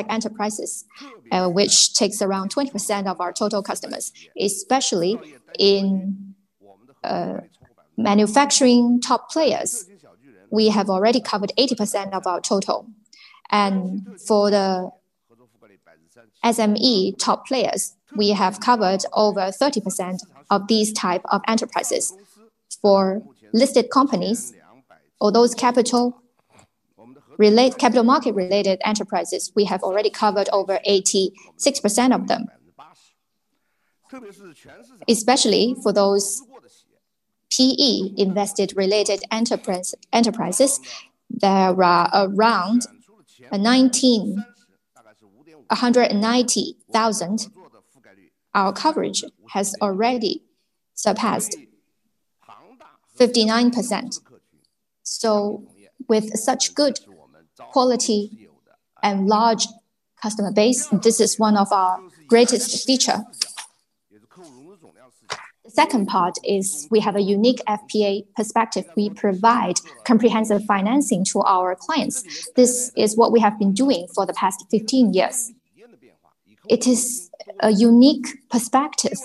enterprises, which takes around 20% of our total customers, especially in manufacturing top players. We have already covered 80% of our total. For the SME top players, we have covered over 30% of these types of enterprises. For listed companies or those capital market-related enterprises, we have already covered over 86% of them. Especially for those PE invested-related enterprises, there are around 190,000. Our coverage has already surpassed 59%. With such good quality and large customer base, this is one of our greatest features. The second part is we have a unique FPA perspective. We provide comprehensive financing to our clients. This is what we have been doing for the past 15 years. It is a unique perspective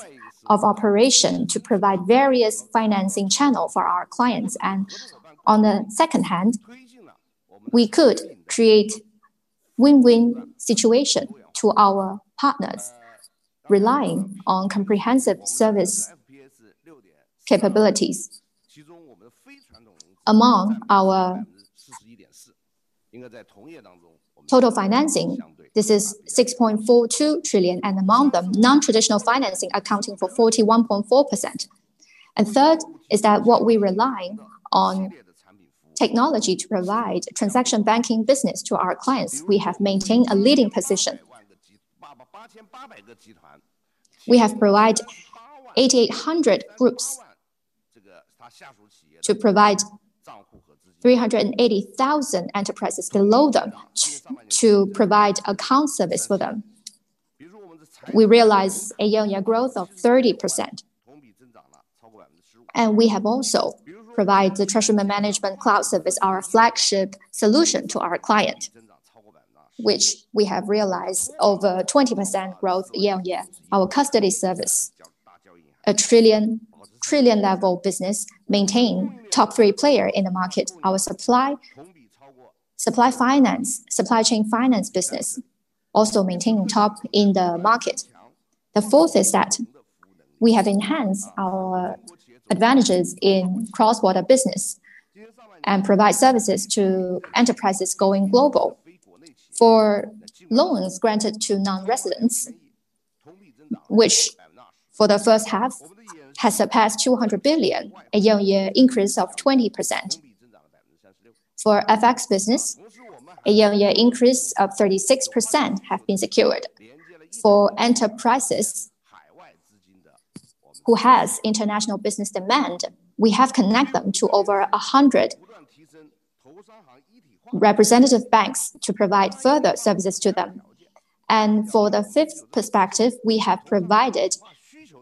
of operation to provide various financing channels for our clients. On the second hand, we could create a win-win situation for our partners, relying on comprehensive service capabilities. Among our total financing, this is 6.42 trillion, and among them, non-traditional financing accounting for 41.4%. Third is that what we rely on technology to provide transaction banking business to our clients. We have maintained a leading position. We have provided 8,800 groups to provide 380,000 enterprises below them to provide account service for them. We realized a year-on-year growth of 30%. We have also provided the Treasury Management Cloud service, our flagship solution to our client, which we have realized over 20% growth year-on-year. Our custody service, a 1 trillion-level business, maintained top three players in the market. Our supply finance, supply chain finance business also maintained top in the market. The fourth is that we have enhanced our advantages in cross-border business and provide services to enterprises going global. For loans granted to non-residents, which for the first half has surpassed 200 billion, a year-on-year increase of 20%. For FX business, a year-on-year increase of 36% has been secured. For enterprises who have international business demand, we have connected them to over 100 representative banks to provide further services to them. And for the fifth perspective, we have provided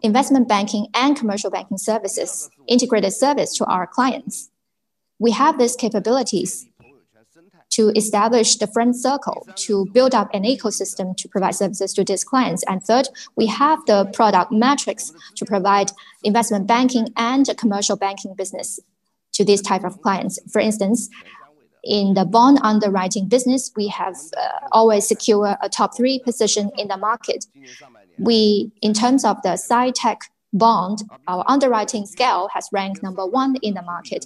investment banking and commercial banking services, integrated service to our clients. We have these capabilities to establish the friend circle, to build up an ecosystem to provide services to these clients. And third, we have the product matrix to provide investment banking and commercial banking business to these types of clients. For instance, in the bond underwriting business, we have always secured a top three position in the market. In terms of the sci-tech bond, our underwriting scale has ranked number one in the market.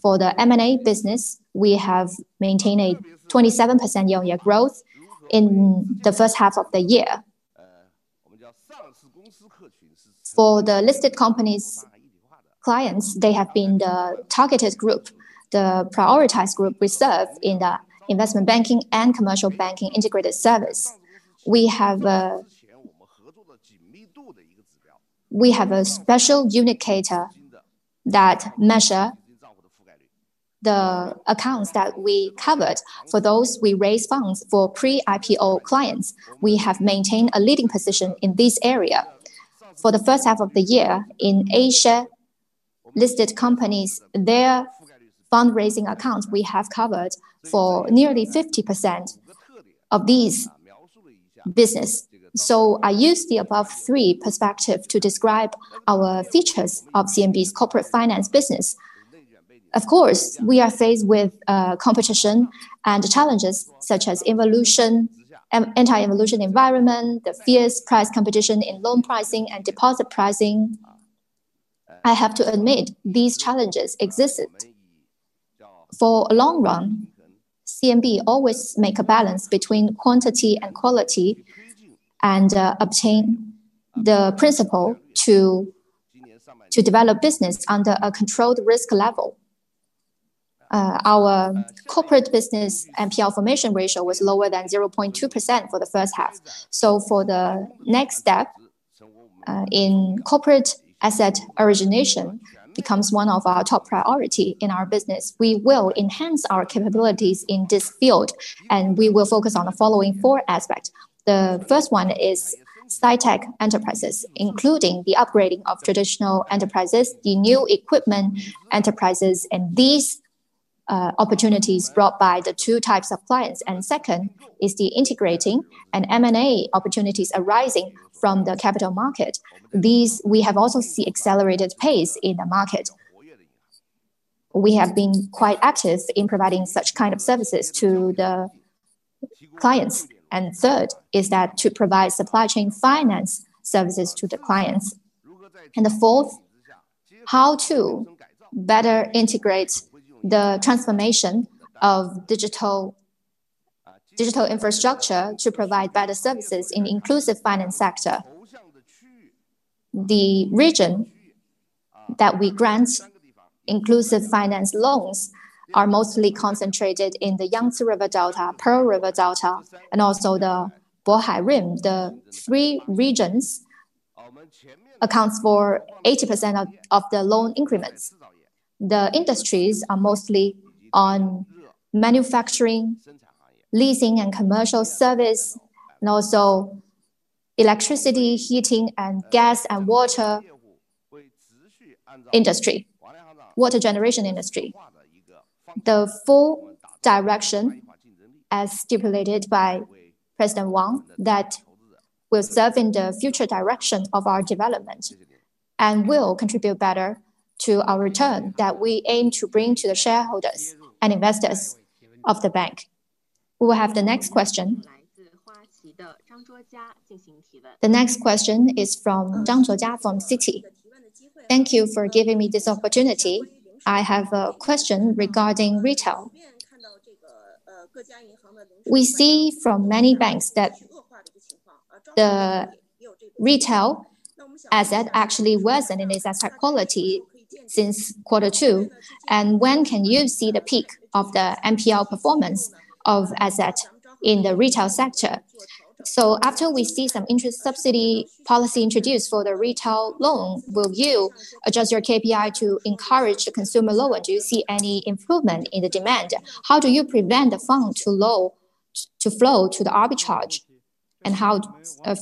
For the M&A business, we have maintained a 27% year-on-year growth in the first half of the year. For the listed companies' clients, they have been the targeted group, the prioritized group we serve in the investment banking and commercial banking integrated service. We have a special indicator that measures the accounts that we covered for those we raised funds for pre-IPO clients. We have maintained a leading position in this area. For the first half of the year in A-share listed companies, their fundraising accounts we have covered for nearly 50% of these businesses. So I use the above three perspectives to describe our features of CMB's corporate finance business. Of course, we are faced with competition and challenges such as anti-involution environment, the fierce price competition in loan pricing and deposit pricing. I have to admit these challenges exist. For a long run, CMB always makes a balance between quantity and quality and obtains the principle to develop business under a controlled risk level. Our corporate business NPL formation ratio was lower than 0.2% for the first half, so for the next step in corporate asset origination becomes one of our top priorities in our business. We will enhance our capabilities in this field, and we will focus on the following four aspects. The first one is sci-tech enterprises, including the upgrading of traditional enterprises, the new equipment enterprises, and these opportunities brought by the two types of clients, and second is the integrating and M&A opportunities arising from the capital market. These we have also seen accelerated pace in the market. We have been quite active in providing such kinds of services to the clients, and third is that to provide supply chain finance services to the clients. And the fourth, how to better integrate the transformation of digital infrastructure to provide better services in the inclusive finance sector. The region that we grant inclusive finance loans is mostly concentrated in the Yangtze River Delta, Pearl River Delta, and also the Bohai Rim. The three regions account for 80% of the loan increments. The industries are mostly on manufacturing, leasing, and commercial service, and also electricity, heating, and gas and water industry, water generation industry. The full direction, as stipulated by President Wang, will serve in the future direction of our development and will contribute better to our return that we aim to bring to the shareholders and investors of the bank. We will have the next question. The next question is from Zhang Zhuojia from Citi. Thank you for giving me this opportunity. I have a question regarding retail. We see from many banks that the retail asset actually worsened in its asset quality since quarter two. When can you see the peak of the NPL performance of assets in the retail sector? After we see some interest subsidy policy introduced for the retail loan, will you adjust your KPI to encourage the consumer loan? Do you see any improvement in the demand? How do you prevent the funds to flow to the arbitrage? How,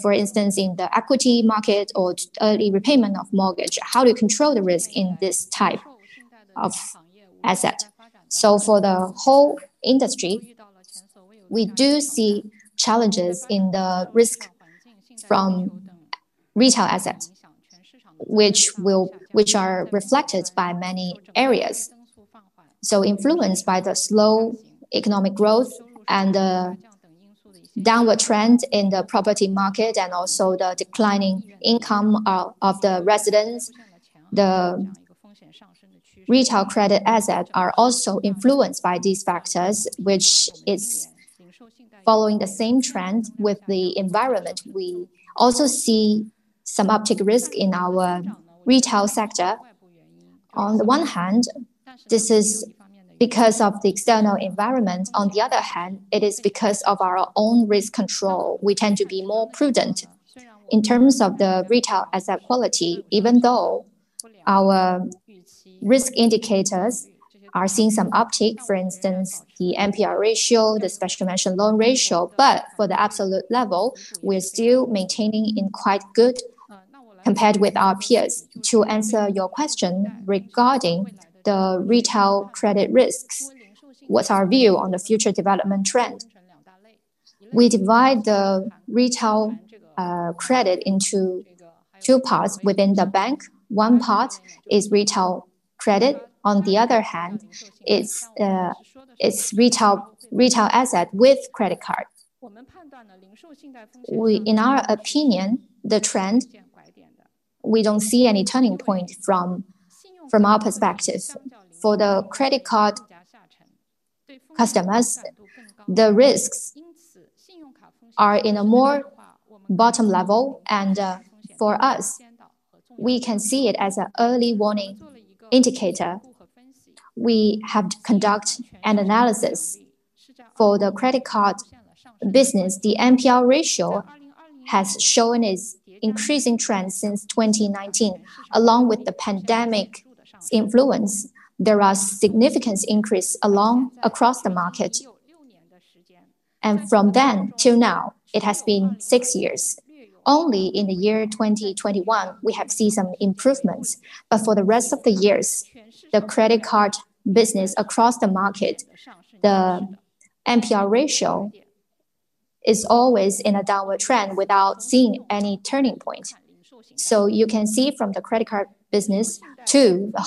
for instance, in the equity market or early repayment of mortgage, do you control the risk in this type of asset? For the whole industry, we do see challenges in the risk from retail assets, which are reflected by many areas. Influenced by the slow economic growth and the downward trend in the property market and also the declining income of the residents, the retail credit assets are also influenced by these factors, which is following the same trend with the environment. We also see some uptick risk in our retail sector. On the one hand, this is because of the external environment. On the other hand, it is because of our own risk control. We tend to be more prudent in terms of the retail asset quality, even though our risk indicators are seeing some uptick, for instance, the NPL ratio, the special mention loan ratio. But for the absolute level, we're still maintaining in quite good compared with our peers. To answer your question regarding the retail credit risks, what's our view on the future development trend? We divide the retail credit into two parts within the bank. One part is retail credit. On the other hand, it's retail asset with credit card. In our opinion, the trend, we don't see any turning point from our perspective. For the credit card customers, the risks are in a more bottom level. For us, we can see it as an early warning indicator. We have conducted an analysis for the credit card business. The NPL ratio has shown its increasing trend since 2019. Along with the pandemic's influence, there was a significant increase across the market. From then till now, it has been six years. Only in the year 2021, we have seen some improvements. For the rest of the years, the credit card business across the market, the NPL ratio is always in a downward trend without seeing any turning point. You can see from the credit card business to the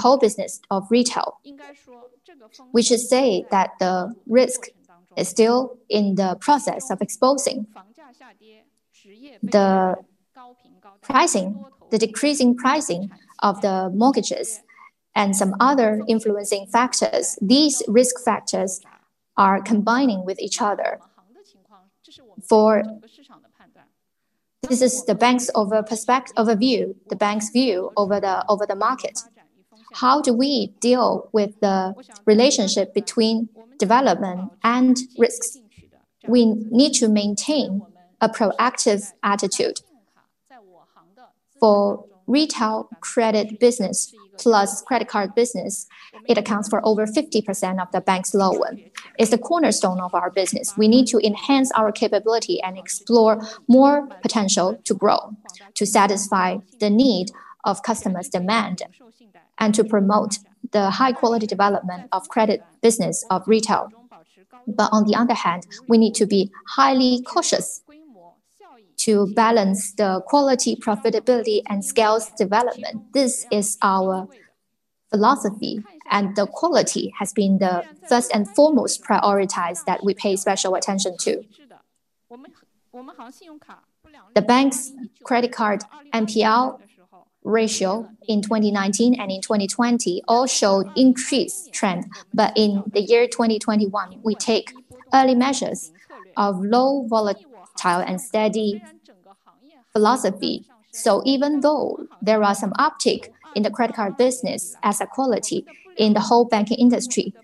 whole business of retail, which is to say that the risk is still in the process of exposing the decreasing pricing of the mortgages and some other influencing factors. These risk factors are combining with each other. For the bank's overview, the bank's view over the market, how do we deal with the relationship between development and risks? We need to maintain a proactive attitude. For retail credit business plus credit card business, it accounts for over 50% of the bank's loan. It's the cornerstone of our business. We need to enhance our capability and explore more potential to grow, to satisfy the need of customers' demand, and to promote the high-quality development of credit business of retail. But on the other hand, we need to be highly cautious to balance the quality, profitability, and scale development. This is our philosophy. And the quality has been the first and foremost priority that we pay special attention to. The bank's credit card NPL ratio in 2019 and in 2020 all showed an increased trend. But in the year 2021, we take early measures of low volatile and steady philosophy. So even though there was some uptick in the credit card business asset quality in the whole banking industry,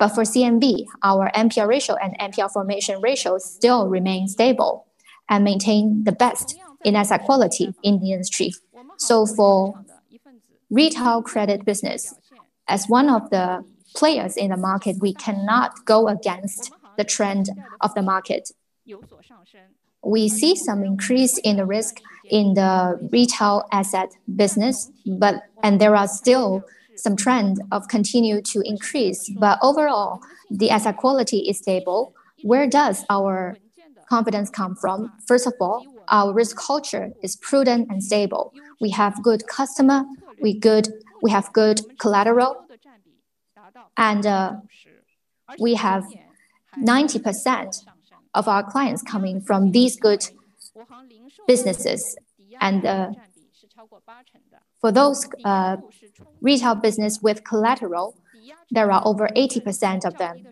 but for CMB, our NPL ratio and NPL formation ratio still remain stable and maintain the best in asset quality in the industry. So for retail credit business, as one of the players in the market, we cannot go against the trend of the market. We see some increase in the risk in the retail asset business, and there are still some trends of continuing to increase. But overall, the asset quality is stable. Where does our confidence come from? First of all, our risk culture is prudent and stable. We have good customers. We have good collateral. And we have 90% of our clients coming from these good businesses. And for those retail businesses with collateral, there are over 80% of them.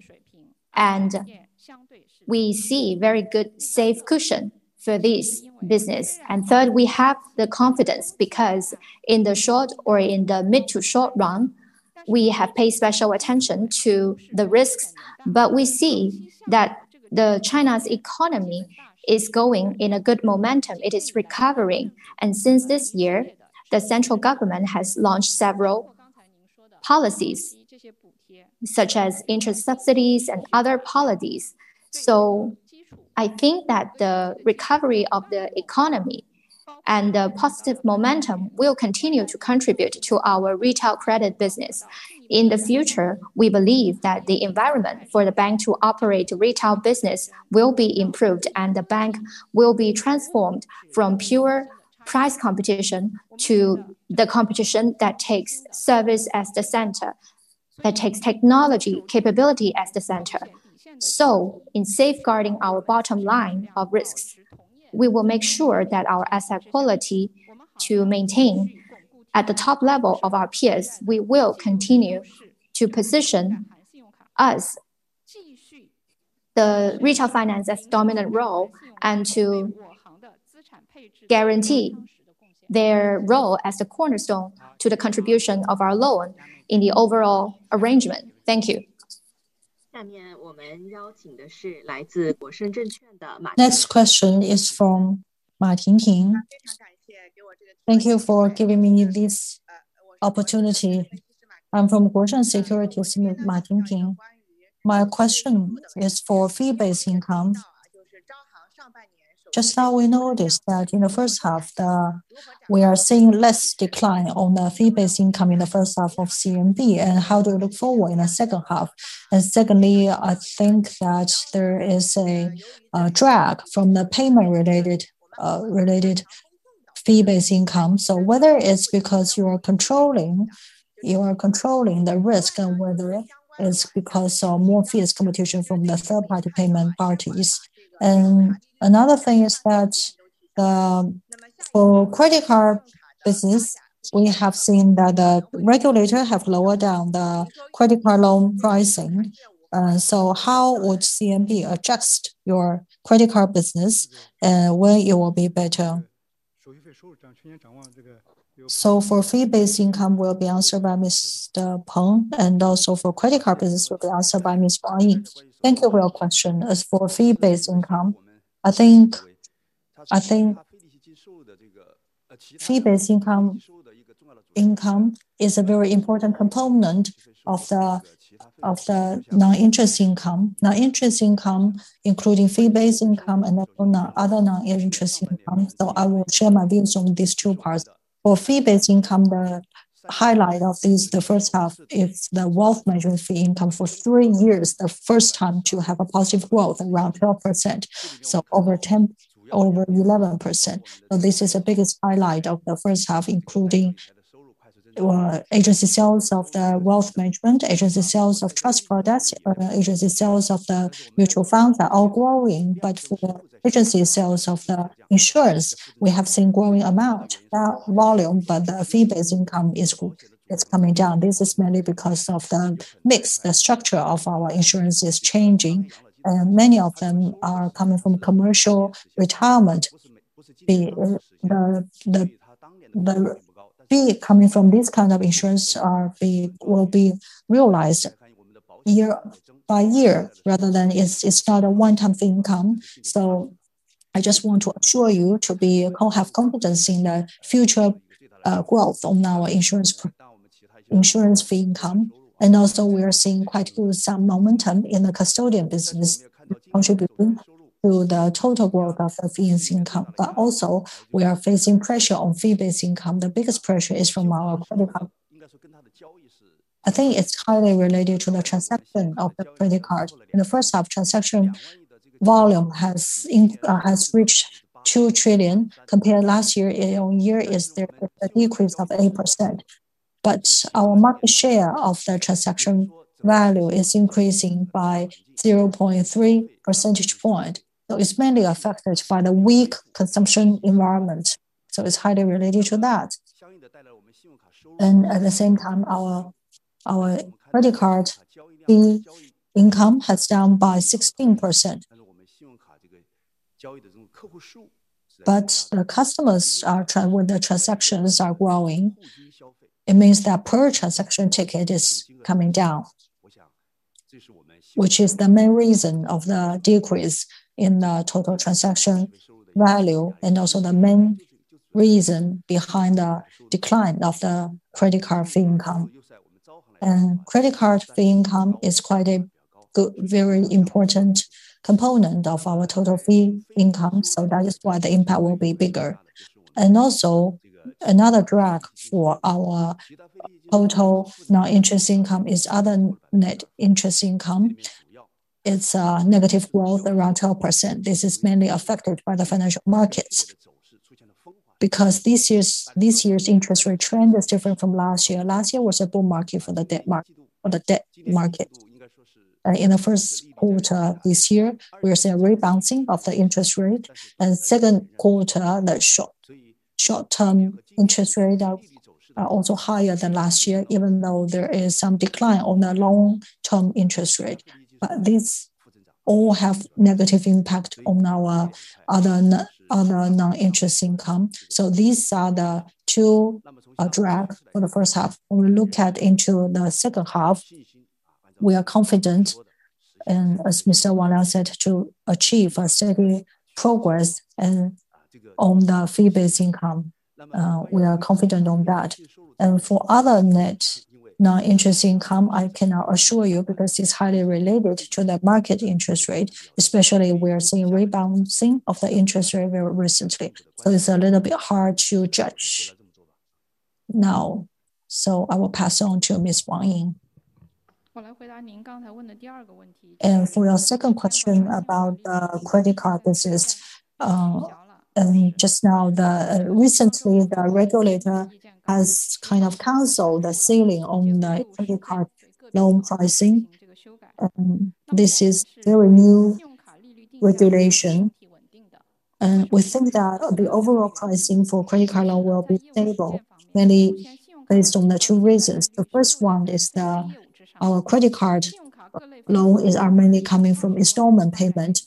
We see a very good safe cushion for this business. Third, we have the confidence because in the short or in the mid to short run, we have paid special attention to the risks. We see that China's economy is going in a good momentum. It is recovering. Since this year, the central government has launched several policies, such as interest subsidies and other policies. I think that the recovery of the economy and the positive momentum will continue to contribute to our retail credit business. In the future, we believe that the environment for the bank to operate retail business will be improved, and the bank will be transformed from pure price competition to the competition that takes service as the center, that takes technology capability as the center. In safeguarding our bottom line of risks, we will make sure that our asset quality is maintained at the top level of our peers. We will continue to position the retail finance as the dominant role and to guarantee their role as the cornerstone to the contribution of our loan in the overall arrangement. Thank you. Next question is from Ma Tingting. Thank you for giving me this opportunity. I'm from Guosheng Securities, Ma Tingting. My question is for fee-based income. Just now we noticed that in the first half, we are seeing less decline on the fee-based income in the first half of CMB. And how do you look forward in the second half? And secondly, I think that there is a drag from the payment-related fee-based income. So, whether it's because you are controlling the risk and whether it's because of more fees competition from the third-party payment parties. And another thing is that for credit card business, we have seen that the regulator has lowered down the credit card loan pricing. So how would CMB adjust your credit card business, and when it will be better? So for fee-based income, we'll be answered by Mr. Peng, and also for credit card business, we'll be answered by Ms. Wang. Thank you for your question. As for fee-based income, I think fee-based income is a very important component of the non-interest income, including fee-based income and other non-interest income. So I will share my views on these two parts. For fee-based income, the highlight of the first half is the wealth management fee income for three years, the first time to have a positive growth around 12%, so over 11%. So this is the biggest highlight of the first half, including agency sales of the wealth management, agency sales of trust products, agency sales of the mutual funds are all growing. But for agency sales of the insurance, we have seen a growing amount, not volume, but the fee-based income is coming down. This is mainly because of the mix. The structure of our insurance is changing, and many of them are coming from commercial retirement. The fee coming from this kind of insurance will be realized year by year rather than it's not a one-time fee income. So I just want to assure you to have confidence in the future growth on our insurance fee income. Also, we are seeing quite good some momentum in the custodian business contributing to the total growth of the fee-based income. But also, we are facing pressure on fee-based income. The biggest pressure is from our credit card. I think it's highly related to the transaction of the credit card. In the first half, transaction volume has reached 2 trillion. Compared to last year, it is a decrease of 8%. But our market share of the transaction value is increasing by 0.3 percentage points. So it's mainly affected by the weak consumption environment. So it's highly related to that. And at the same time, our credit card fee income has down by 16%. But the customers with the transactions are growing. It means that per transaction ticket is coming down, which is the main reason of the decrease in the total transaction value and also the main reason behind the decline of the credit card fee income, and credit card fee income is quite a very important component of our total fee income, so that is why the impact will be bigger, and also, another drag for our total non-interest income is other net interest income. It's a negative growth around 12%. This is mainly affected by the financial markets because this year's interest rate trend is different from last year. Last year was a bull market for the debt market. In the first quarter this year, we are seeing a rebounding of the interest rate, and second quarter, the short-term interest rates are also higher than last year, even though there is some decline on the long-term interest rate. But these all have a negative impact on our other non-interest income, so these are the two drags for the first half. When we look into the second half, we are confident, as Mr. Wang said, to achieve a steady progress on the fee-based income. We are confident on that and for other net non-interest income, I cannot assure you because it's highly related to the market interest rate, especially we are seeing a rebounding of the interest rate very recently, so it's a little bit hard to judge now, so I will pass on to Ms. Wang and for your second question about the credit card business, just now, recently, the regulator has kind of canceled the ceiling on the credit card loan pricing. This is a very new regulation. We think that the overall pricing for credit card loans will be stable, mainly based on the two reasons. The first one is that our credit card loans are mainly coming from installment payment.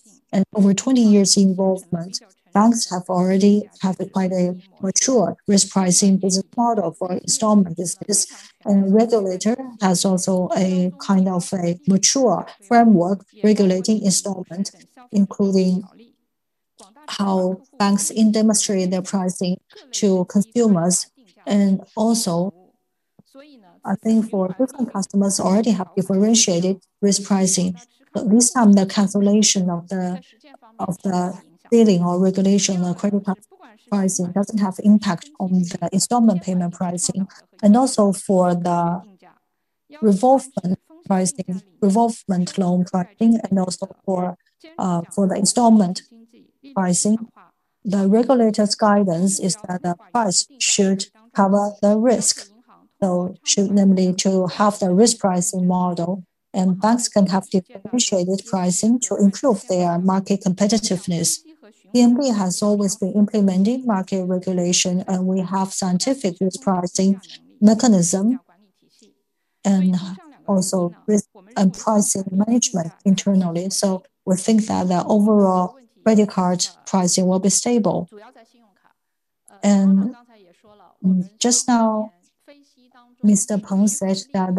Over 20 years' involvement, banks have already had quite a mature risk pricing business model for installment business. The regulator has also a kind of mature framework regulating installment, including how banks demonstrate their pricing to consumers. I think for different customers already have differentiated risk pricing. This time, the cancellation of the ceiling or regulation of credit card pricing doesn't have an impact on the installment payment pricing. For the revolving loan pricing and also for the installment pricing, the regulator's guidance is that the price should cover the risk. So should namely to have the risk pricing model, and banks can have differentiated pricing to improve their market competitiveness. CMB has always been implementing market regulation, and we have scientific risk pricing mechanism and also risk and pricing management internally. We think that the overall credit card pricing will be stable. Just now, Mr. Peng said that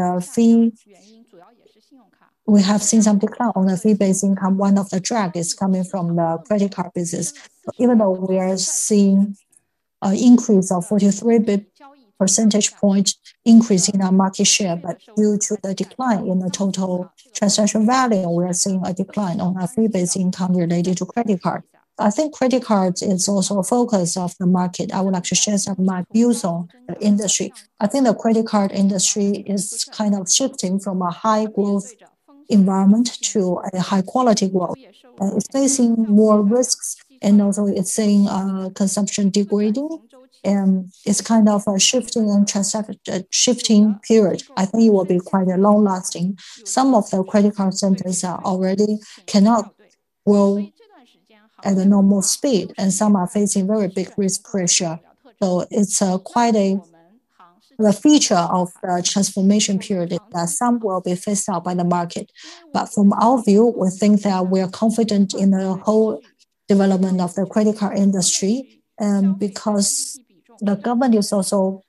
we have seen some decline on the fee-based income. One of the drags is coming from the credit card business. Even though we are seeing an increase of 43 percentage points increase in our market share, but due to the decline in the total transaction value, we are seeing a decline on our fee-based income related to credit cards. I think credit cards is also a focus of the market. I would like to share some of my views on the industry. I think the credit card industry is kind of shifting from a high-growth environment to a high-quality growth. It's facing more risks, and also it's seeing consumption degrading, and it's kind of a shifting period. I think it will be quite a long-lasting. Some of the credit card centers already cannot grow at a normal speed, and some are facing very big risk pressure. So it's quite a feature of the transformation period that some will be faced out by the market. But from our view, we think that we are confident in the whole development of the credit card industry because the government is also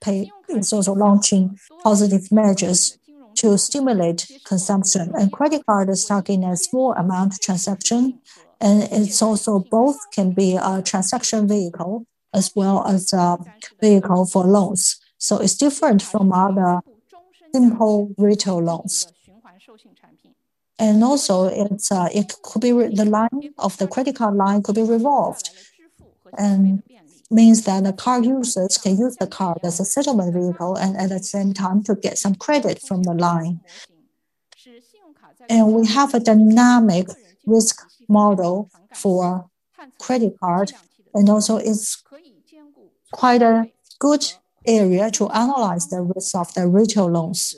launching positive measures to stimulate consumption, and credit card is targeting a small amount of transaction, and it's also both can be a transaction vehicle as well as a vehicle for loans, so it's different from other simple retail loans. And also, the line of the credit card line could be revolved, and it means that the card users can use the card as a settlement vehicle and at the same time to get some credit from the line. And we have a dynamic risk model for credit cards, and also it's quite a good area to analyze the risk of the retail loans.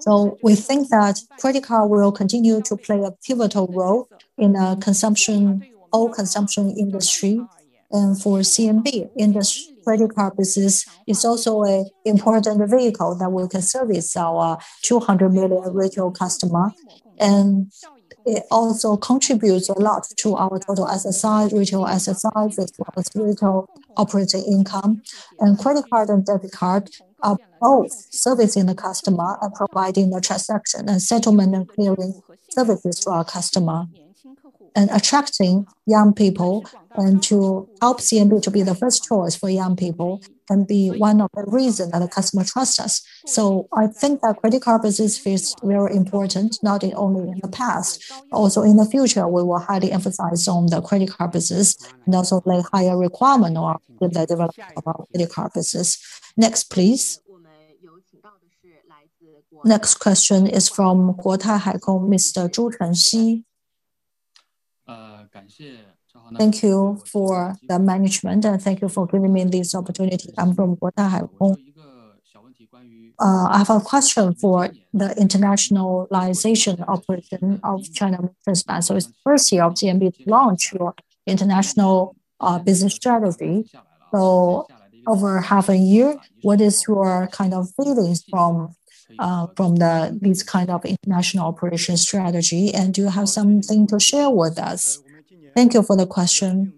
So we think that credit cards will continue to play a pivotal role in the whole consumption industry. And for CMB, the credit card business is also an important vehicle that will service our 200 million retail customers. And it also contributes a lot to our total SSI, retail SSI, retail operating income. And credit cards and debit cards are both servicing the customer and providing the transaction and settlement and clearing services for our customers and attracting young people and to help CMB to be the first choice for young people and be one of the reasons that the customers trust us. So I think that credit card business is very important, not only in the past, but also in the future, we will highly emphasize on the credit card business and also play higher requirement on the development of our credit card business. Next, please. Next question is from Guosheng Securities, Mr. Zhu. Thank you for the management, and thank you for giving me this opportunity. I'm from Guosheng Securities. I have a question for the internationalization operation of China Merchants Bank. So it's the first year of CMB to launch your international business strategy. So, over half a year, what is your kind of feelings from these kinds of international operation strategy, and do you have something to share with us? Thank you for the question.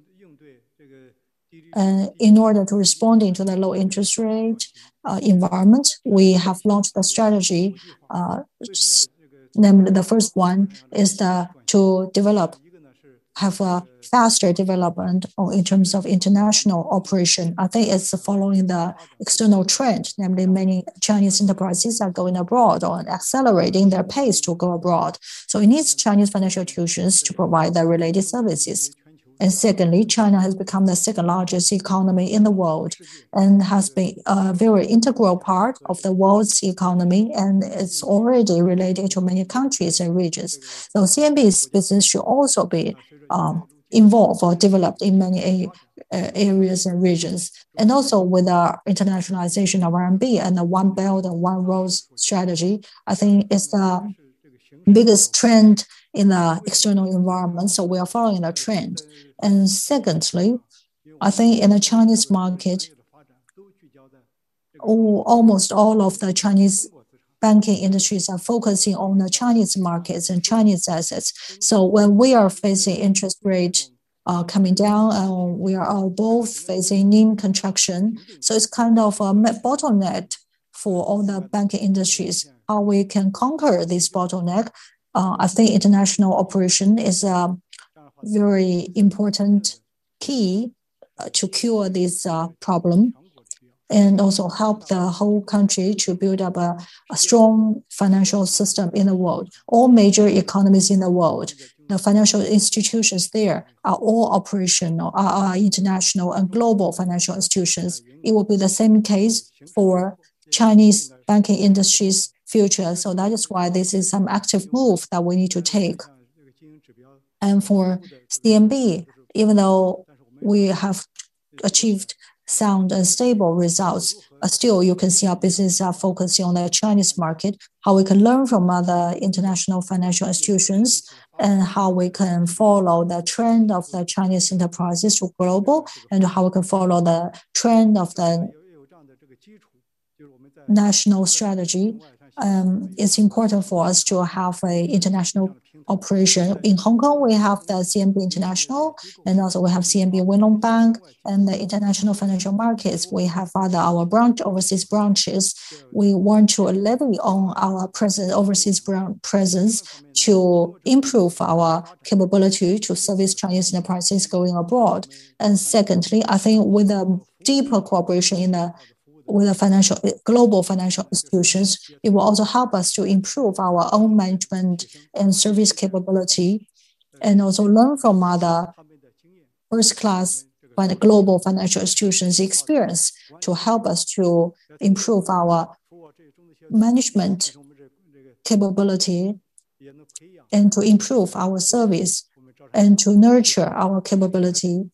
And, in order to respond to the low interest rate environment, we have launched a strategy. The first one is to develop, have a faster development in terms of international operation. I think it's following the external trend, namely many Chinese enterprises are going abroad or accelerating their pace to go abroad. So, it needs Chinese financial institutions to provide the related services. And secondly, China has become the second largest economy in the world and has been a very integral part of the world's economy, and it's already related to many countries and regions. So, CMB's business should also be involved or developed in many areas and regions. Also with the internationalization of RMB and the One Belt One Road strategy, I think it's the biggest trend in the external environment. We are following the trend. Secondly, I think in the Chinese market, almost all of the Chinese banking industries are focusing on the Chinese markets and Chinese assets. When we are facing interest rates coming down, we are both facing needing contraction. It's kind of a bottleneck for all the banking industries. How we can conquer this bottleneck, I think international operation is a very important key to cure this problem and also help the whole country to build up a strong financial system in the world. All major economies in the world, the financial institutions there are all operational, are international and global financial institutions. It will be the same case for Chinese banking industries' future. So that is why this is some active move that we need to take, and for CMB, even though we have achieved sound and stable results, still you can see our business is focused on the Chinese market, how we can learn from other international financial institutions, and how we can follow the trend of the Chinese enterprises to go global, and how we can follow the trend of the national strategy. It's important for us to have an international operation. In Hong Kong, we have the CMB International, and also we have CMB Wing Lung Bank, and the International Financial Markets. We have our overseas branches. We want to leverage our overseas presence to improve our capability to service Chinese enterprises going abroad. And secondly, I think with a deeper cooperation with the global financial institutions, it will also help us to improve our own management and service capability and also learn from other first-class global financial institutions' experience to help us to improve our management capability and to improve our service and to nurture our capability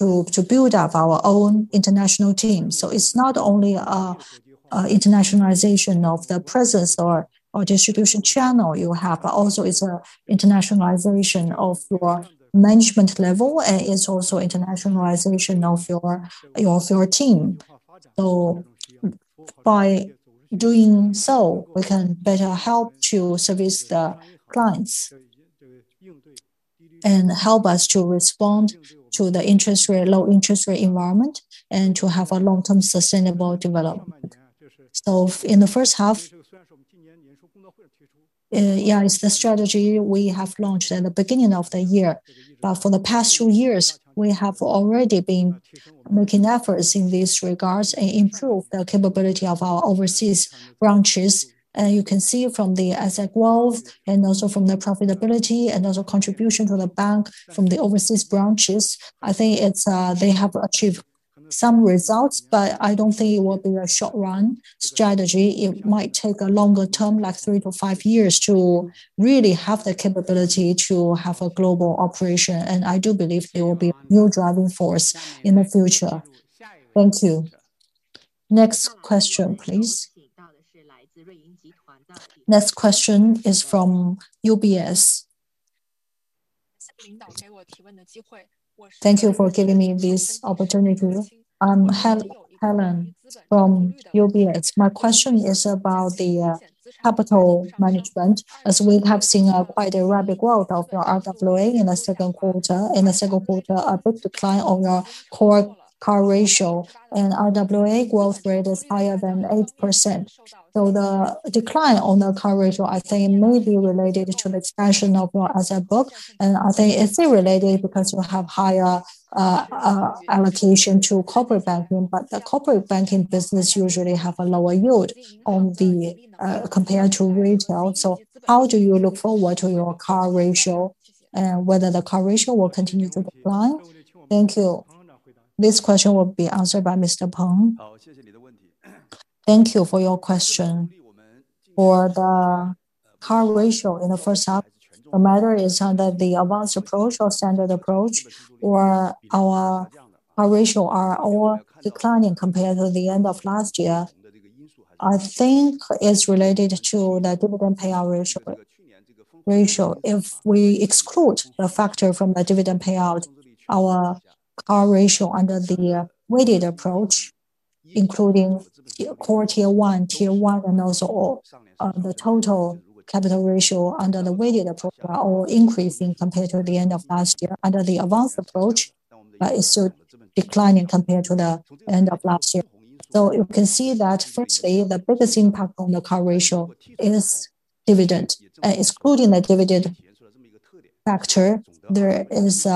to build up our own international team. So it's not only an internationalization of the presence or distribution channel you have, but also it's an internationalization of your management level, and it's also an internationalization of your team. So by doing so, we can better help to service the clients and help us to respond to the low interest rate environment and to have a long-term sustainable development. So in the first half, yeah, it's the strategy we have launched at the beginning of the year. But for the past two years, we have already been making efforts in these regards and improved the capability of our overseas branches. And you can see from the asset growth and also from the profitability and also contribution to the bank from the overseas branches. I think they have achieved some results, but I don't think it will be a short-run strategy. It might take a longer term, like three to five years, to really have the capability to have a global operation. And I do believe it will be a real driving force in the future. Thank you. Next question, please. Next question is from UBS. Thank you for giving me this opportunity. I'm Helen from UBS. My question is about the capital management. As we have seen quite a rapid growth of your RWA in the second quarter, and in the second quarter a big decline of your core CAR ratio, and RWA growth rate is higher than 8%. So the decline on the CAR ratio, I think, may be related to the expansion of your asset book. And I think it's related because you have higher allocation to corporate banking, but the corporate banking business usually has a lower yield compared to retail. So how do you look forward to your CAR ratio and whether the CAR ratio will continue to decline? Thank you. This question will be answered by Mr. Peng. Thank you for your question. For the CAR ratio in the first half, the matter is that the advanced approach or standard approach or our CAR ratio are all declining compared to the end of last year. I think it's related to the dividend payout ratio. If we exclude the factor from the dividend payout, our CAR ratio under the weighted approach, including Core Tier 1, Tier 1, and also the total capital ratio under the weighted approach, are all increasing compared to the end of last year. Under the advanced approach, it's still declining compared to the end of last year. So you can see that firstly, the biggest impact on the CAR ratio is dividend. And excluding the dividend factor, there is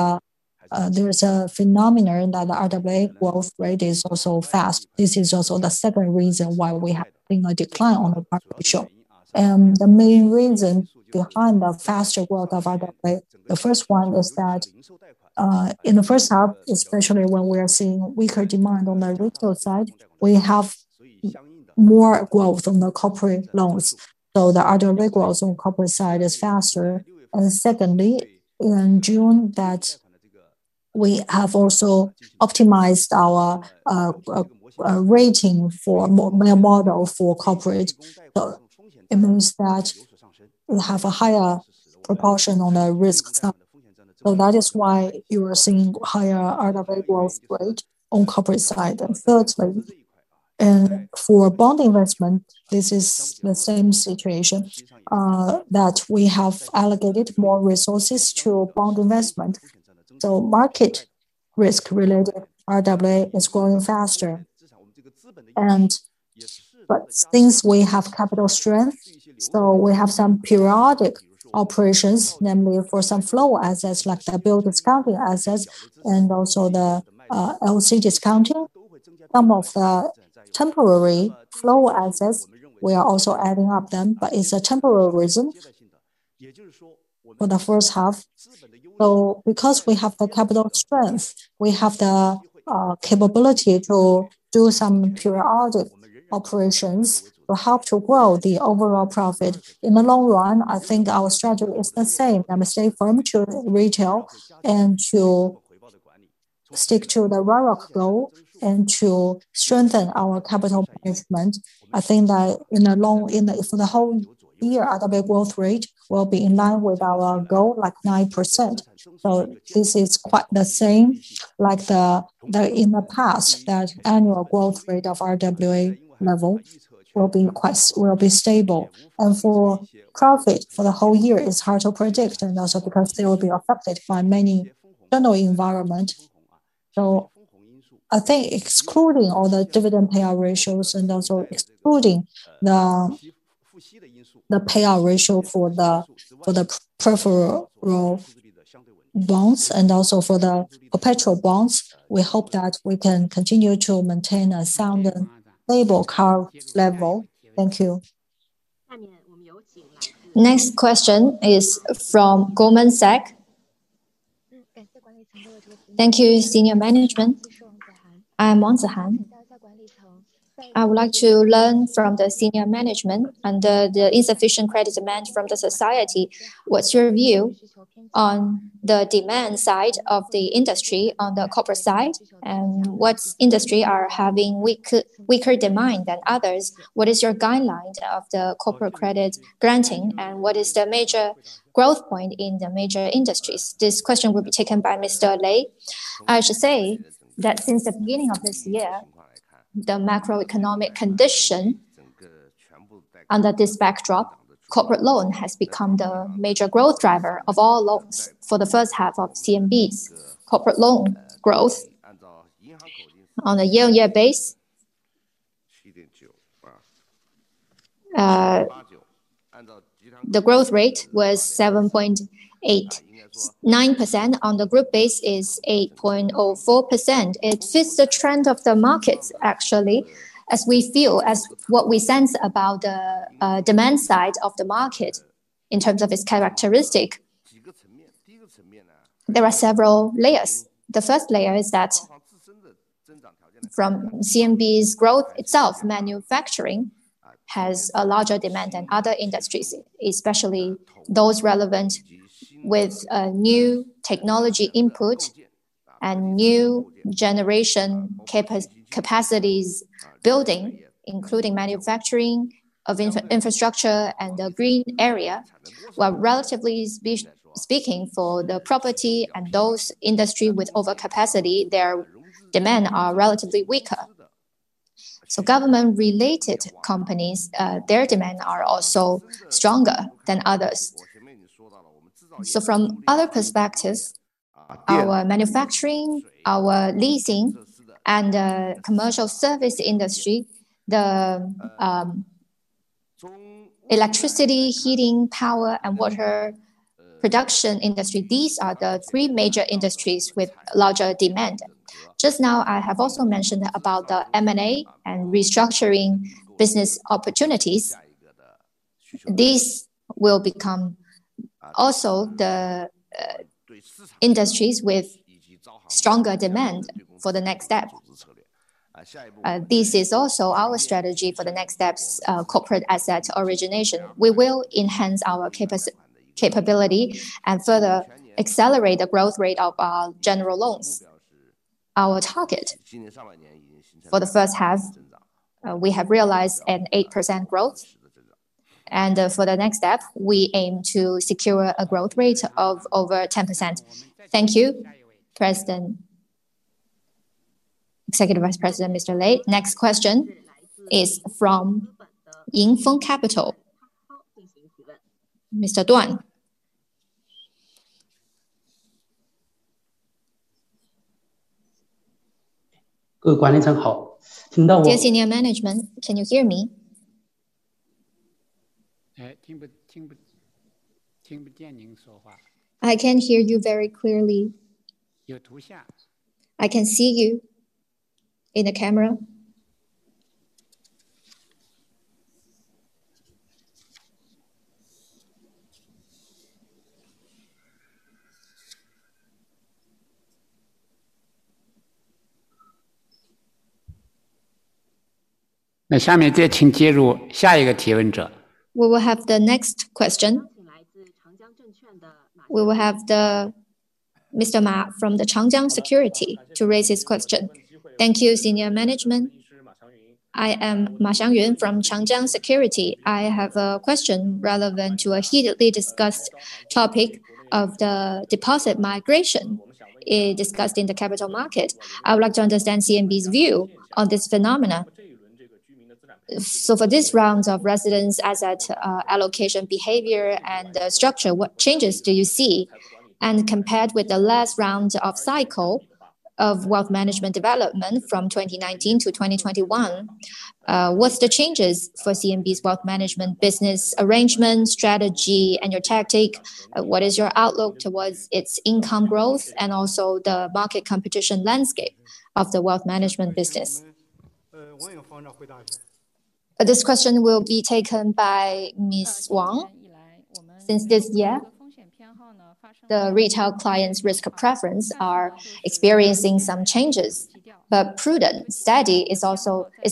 a phenomenon that the RWA growth rate is also fast. This is also the second reason why we have seen a decline on the CAR ratio. The main reason behind the faster growth of RWA, the first one is that in the first half, especially when we are seeing weaker demand on the retail side, we have more growth on the corporate loans. The RWA growth on the corporate side is faster. Second, in June, we have also optimized our rating model for corporate. It means that we have a higher proportion on the risk. That is why you are seeing higher RWA growth rate on the corporate side. Third, for bond investment, this is the same situation that we have allocated more resources to bond investment. Market risk-related RWA is growing faster. Since we have capital strength, we have some periodic operations, namely for some flow assets like the bill discounting assets and also the LC discounting. Some of the temporary flow assets, we are also adding up them, but it's a temporary reason for the first half. So because we have the capital strength, we have the capability to do some periodic operations to help to grow the overall profit. In the long run, I think our strategy is the same, namely stay firm to retail and to stick to the ROC goal and to strengthen our capital management. I think that in the long, for the whole year, RWA growth rate will be in line with our goal like 9%. So this is quite the same like in the past that annual growth rate of RWA level will be stable. And for profit for the whole year, it's hard to predict and also because they will be affected by many general environments. So, I think excluding all the dividend payout ratios and also excluding the payout ratio for the preferred bonds and also for the perpetual bonds, we hope that we can continue to maintain a sound and stable CAR level. Thank you. Next question is from Goldman Sachs. Thank you, senior management. I am Wang Ziheng. I would like to learn from the senior management under the insufficient credit demand from the society. What's your view on the demand side of the industry on the corporate side? And what industry are having weaker demand than others? What is your guideline of the corporate credit granting? And what is the major growth point in the major industries? This question will be taken by Mr. Lei. I should say that since the beginning of this year, the macroeconomic condition under this backdrop, corporate loan has become the major growth driver of all loans for the first half of CMB's corporate loan growth on a year-on-year base. The growth rate was 7.89% on the group base is 8.04%. It fits the trend of the markets, actually, as we feel, as what we sense about the demand side of the market in terms of its characteristics. There are several layers. The first layer is that from CMB's growth itself, manufacturing has a larger demand than other industries, especially those relevant with new technology input and new generation capacities building, including manufacturing of infrastructure and the green area. While relatively speaking, for the property and those industries with overcapacity, their demand is relatively weaker. So government-related companies, their demand is also stronger than others. From other perspectives, our manufacturing, our leasing, and the commercial service industry, the electricity, heating, power, and water production industry, these are the three major industries with larger demand. Just now, I have also mentioned about the M&A and restructuring business opportunities. These will become also the industries with stronger demand for the next step. This is also our strategy for the next steps, corporate asset origination. We will enhance our capability and further accelerate the growth rate of our general loans. Our target for the first half, we have realized an 8% growth. And for the next step, we aim to secure a growth rate of over 10%. Thank you, President, Executive Vice President, Mr. Lei. Next question is from Yingfeng Capital. Mr. Duan. management. Can you hear me? I can hear you very clearly. I can see you in the camera. We will have the next question. We will have Mr. Ma from the Changjiang Securities to raise his question. Thank you, senior management. I am Ma Xiangyun from Changjiang Securities. I have a question relevant to a heatedly discussed topic of the deposit migration discussed in the capital market. I would like to understand CMB's view on this phenomenon. So for this round of residents' asset allocation behavior and structure, what changes do you see? And compared with the last round of cycle of wealth management development from 2019 to 2021, what's the changes for CMB's wealth management business arrangement, strategy, and your tactic? What is your outlook towards its income growth and also the market competition landscape of the wealth management business? This question will be taken by Ms. Wang. Since this year, the retail clients' risk preference is experiencing some changes, but prudent steady is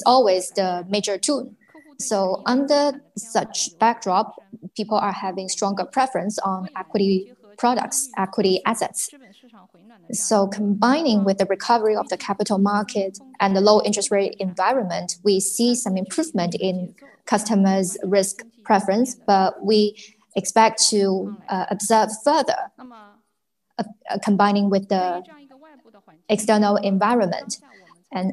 always the major tune. Under such backdrop, people are having stronger preference on equity products, equity assets. Combining with the recovery of the capital market and the low interest rate environment, we see some improvement in customers' risk preference, but we expect to observe further combining with the external environment.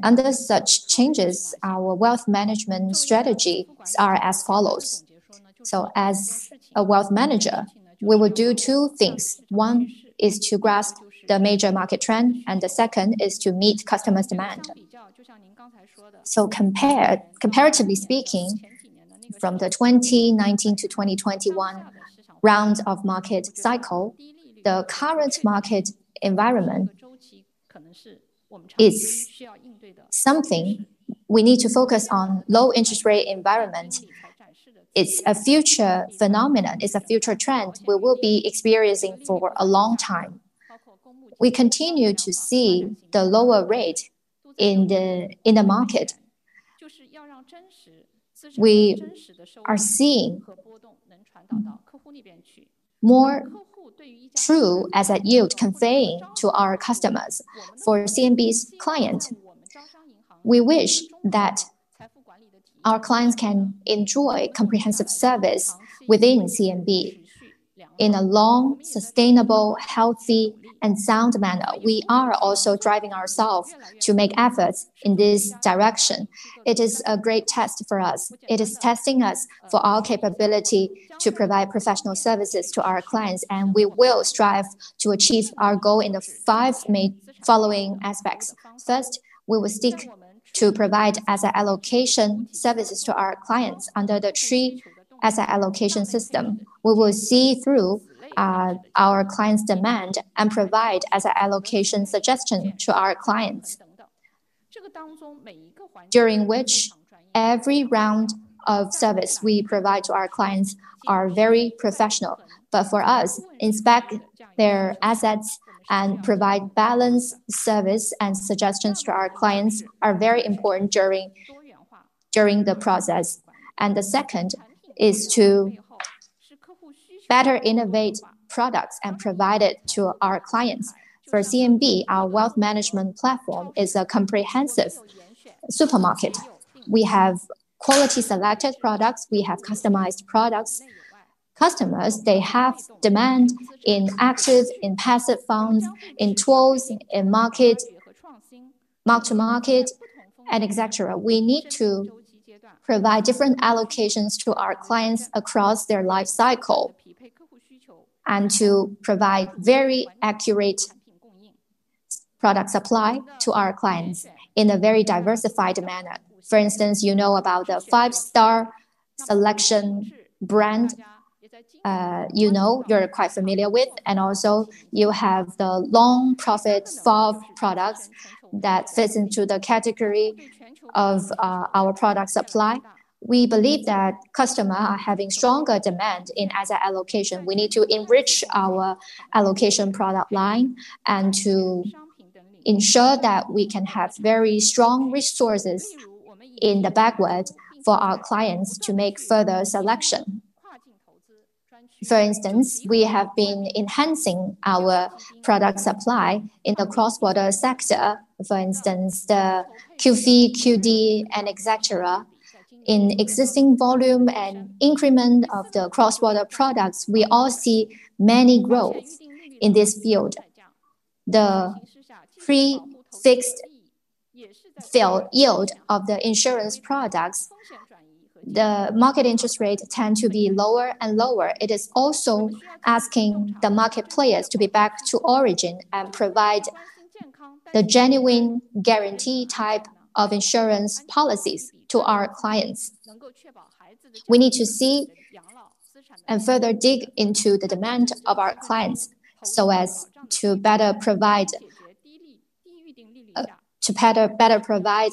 Under such changes, our wealth management strategies are as follows. As a wealth manager, we will do two things. One is to grasp the major market trend, and the second is to meet customers' demand. Comparatively speaking, from the 2019 to 2021 round of market cycle, the current market environment is something we need to focus on. Low interest rate environment, it's a future phenomenon. It's a future trend we will be experiencing for a long time. We continue to see the lower rate in the market. We are seeing more true asset yield conveying to our customers. For CMB's clients, we wish that our clients can enjoy comprehensive service within CMB in a long, sustainable, healthy, and sound manner. We are also driving ourselves to make efforts in this direction. It is a great test for us. It is testing us for our capability to provide professional services to our clients, and we will strive to achieve our goal in the five following aspects. First, we will seek to provide asset allocation services to our clients under the TREE system. We will see to our clients' demand and provide asset allocation suggestions to our clients, during which every round of service we provide to our clients is very professional. But for us, inspecting their assets and providing balanced service and suggestions to our clients are very important during the process. The second is to better innovate products and provide them to our clients. For CMB, our wealth management platform is a comprehensive supermarket. We have quality selected products. We have customized products. Customers, they have demand in active, in passive funds, in tools, in market, mark-to-market, and etc. We need to provide different allocations to our clients across their life cycle and to provide very accurate product supply to our clients in a very diversified manner. For instance, you know about the Five-Star Selection brand you're quite familiar with, and also you have the Long-profit FOF products that fit into the category of our product supply. We believe that customers are having stronger demand in asset allocation. We need to enrich our allocation product line and to ensure that we can have very strong resources in the backend for our clients to make further selection. For instance, we have been enhancing our product supply in the cross-border sector. For instance, the QFII, QDII, and etc. In existing volume and increment of the cross-border products, we all see many growths in this field. The pre-fixed fixed yield of the insurance products, the market interest rates tend to be lower and lower. It is also asking the market players to be back to origin and provide the genuine guarantee type of insurance policies to our clients. We need to see and further dig into the demand of our clients so as to better provide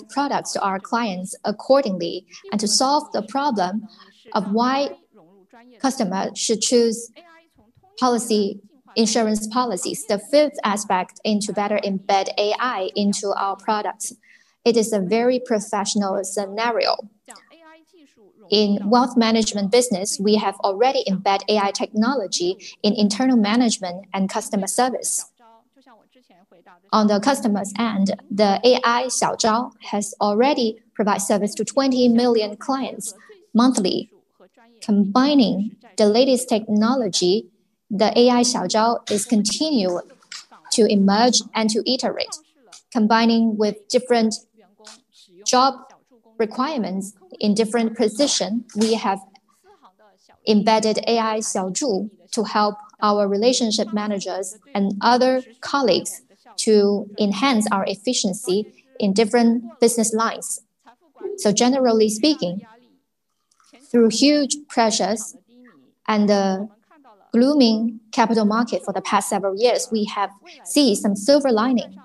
products to our clients accordingly and to solve the problem of why customers should choose pure insurance policies. The fifth aspect is to better embed AI into our products. It is a very professional scenario. In wealth management business, we have already embedded AI technology in internal management and customer service. On the customer's end, the AI Xiao Zuo has already provided service to 20 million clients monthly. Combining the latest technology, the AI Xiao Zuo is continuing to emerge and to iterate. Combining with different job requirements in different positions, we have embedded AI Xiao Zuo to help our relationship managers and other colleagues to enhance our efficiency in different business lines. So generally speaking, through huge pressures and a gloomy capital market for the past several years, we have seen some silver lining.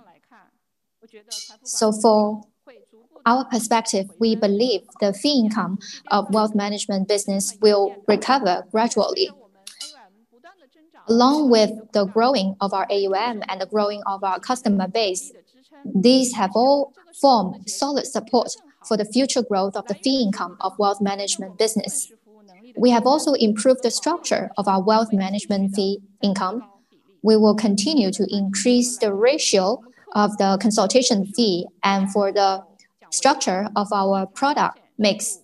So from our perspective, we believe the fee income of wealth management business will recover gradually. Along with the growing of our AUM and the growing of our customer base, these have all formed solid support for the future growth of the fee income of wealth management business. We have also improved the structure of our wealth management fee income. We will continue to increase the ratio of the consultation fee and for the structure of our product mix.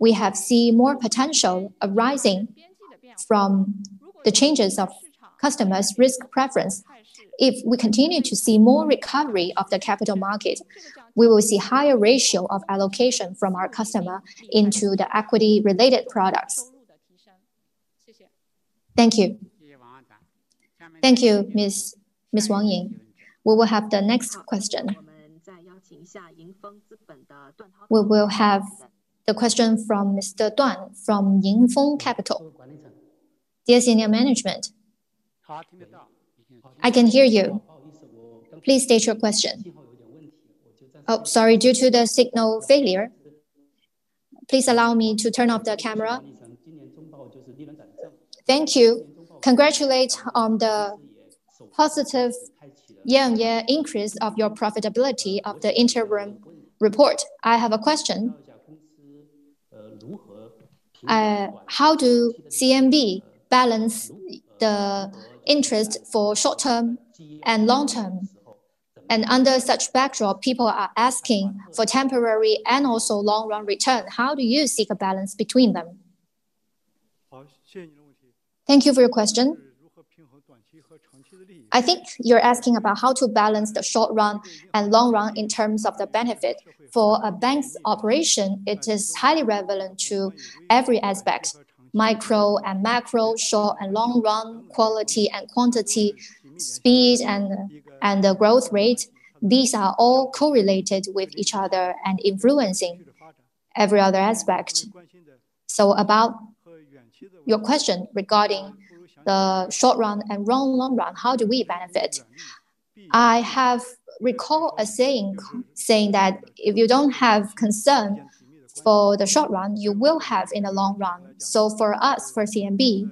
We have seen more potential arising from the changes of customers' risk preference. If we continue to see more recovery of the capital market, we will see a higher ratio of allocation from our customers into the equity-related products. Thank you. Thank you, Ms. Wang Ying. We will have the next question. We will have the question from Mr. Duan from Yingfeng Capital. Dear senior management, I can hear you. Please state your question. Oh, sorry, due to the signal failure, please allow me to turn off the camera. Thank you. Congratulations on the positive increase of your profitability of the interim report. I have a question. How does CMB balance the interest for short-term and long-term? And under such backdrop, people are asking for temporary and also long-run return. How do you seek a balance between them? Thank you for your question. I think you're asking about how to balance the short-run and long-run in terms of the benefit. For a bank's operation, it is highly relevant to every aspect: micro and macro, short and long-run, quality and quantity, speed and the growth rate. These are all correlated with each other and influencing every other aspect. So about your question regarding the short-run and long-run, how do we benefit? I have recalled a saying saying that if you don't have concern for the short-run, you will have in the long-run. So for us, for CMB,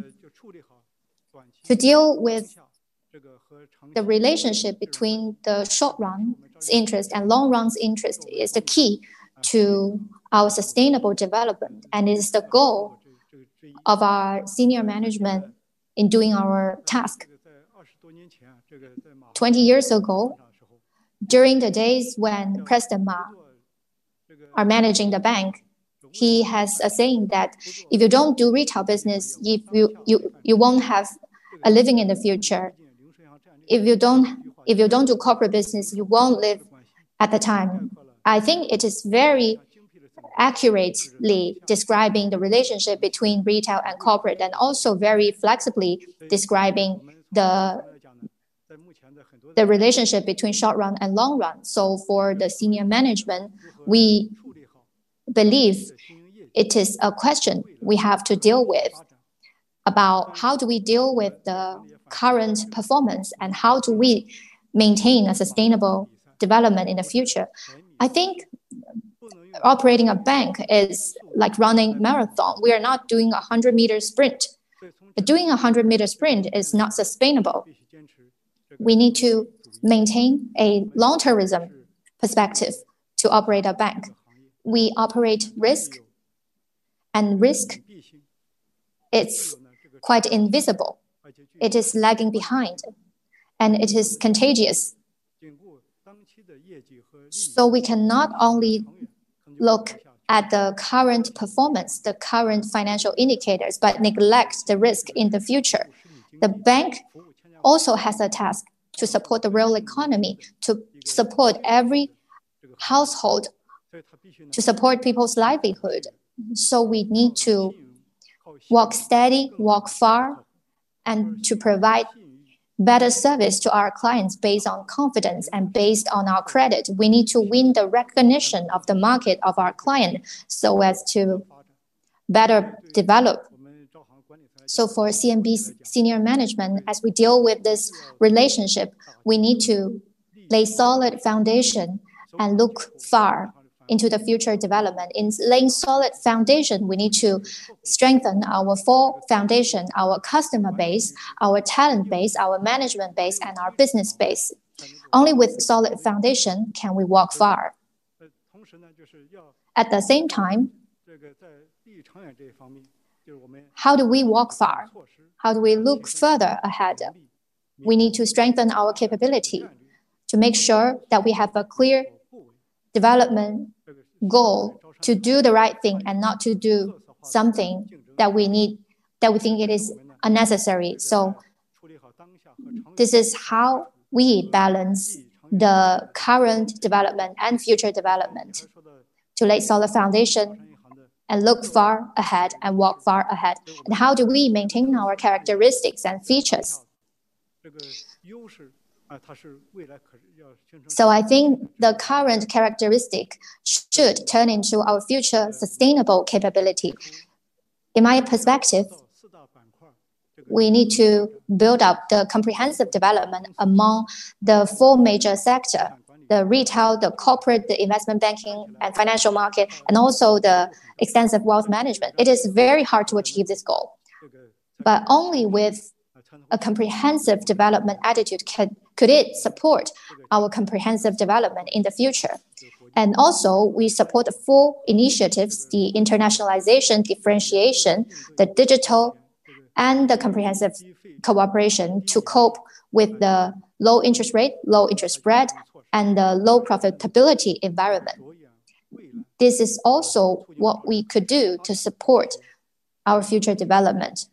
to deal with the relationship between the short-run's interest and long-run's interest is the key to our sustainable development, and it is the goal of our senior management in doing our task. Twenty years ago, during the days when President Ma was managing the bank, he has a saying that if you don't do retail business, you won't have a living in the future. If you don't do corporate business, you won't live at the time. I think it is very accurately describing the relationship between retail and corporate and also very flexibly describing the relationship between short-run and long-run. So for the senior management, we believe it is a question we have to deal with about how do we deal with the current performance and how do we maintain a sustainable development in the future. I think operating a bank is like running a marathon. We are not doing a 100-meter sprint. Doing a 100-meter sprint is not sustainable. We need to maintain a long-term perspective to operate a bank. We operate risk, and risk, it's quite invisible. It is lagging behind, and it is contagious. So we cannot only look at the current performance, the current financial indicators, but neglect the risk in the future. The bank also has a task to support the real economy, to support every household, to support people's livelihood. So we need to walk steady, walk far, and to provide better service to our clients based on confidence and based on our credit. We need to win the recognition of the market of our clients so as to better develop. So for CMB's senior management, as we deal with this relationship, we need to lay a solid foundation and look far into the future development. In laying a solid foundation, we need to strengthen our full foundation, our customer base, our talent base, our management base, and our business base. Only with a solid foundation can we walk far. At the same time, how do we walk far? How do we look further ahead? We need to strengthen our capability to make sure that we have a clear development goal to do the right thing and not to do something that we think is unnecessary. So this is how we balance the current development and future development to lay a solid foundation and look far ahead and walk far ahead. How do we maintain our characteristics and features? I think the current characteristic should turn into our future sustainable capability. In my perspective, we need to build up the comprehensive development among the four major sectors: the retail, the corporate, the investment banking, and financial market, and also the extensive wealth management. It is very hard to achieve this goal, but only with a comprehensive development attitude could it support our comprehensive development in the future. We also support the four initiatives: the internationalization, differentiation, the digital, and the comprehensive cooperation to cope with the low interest rate, low interest spread, and the low profitability environment. This is also what we could do to support our future development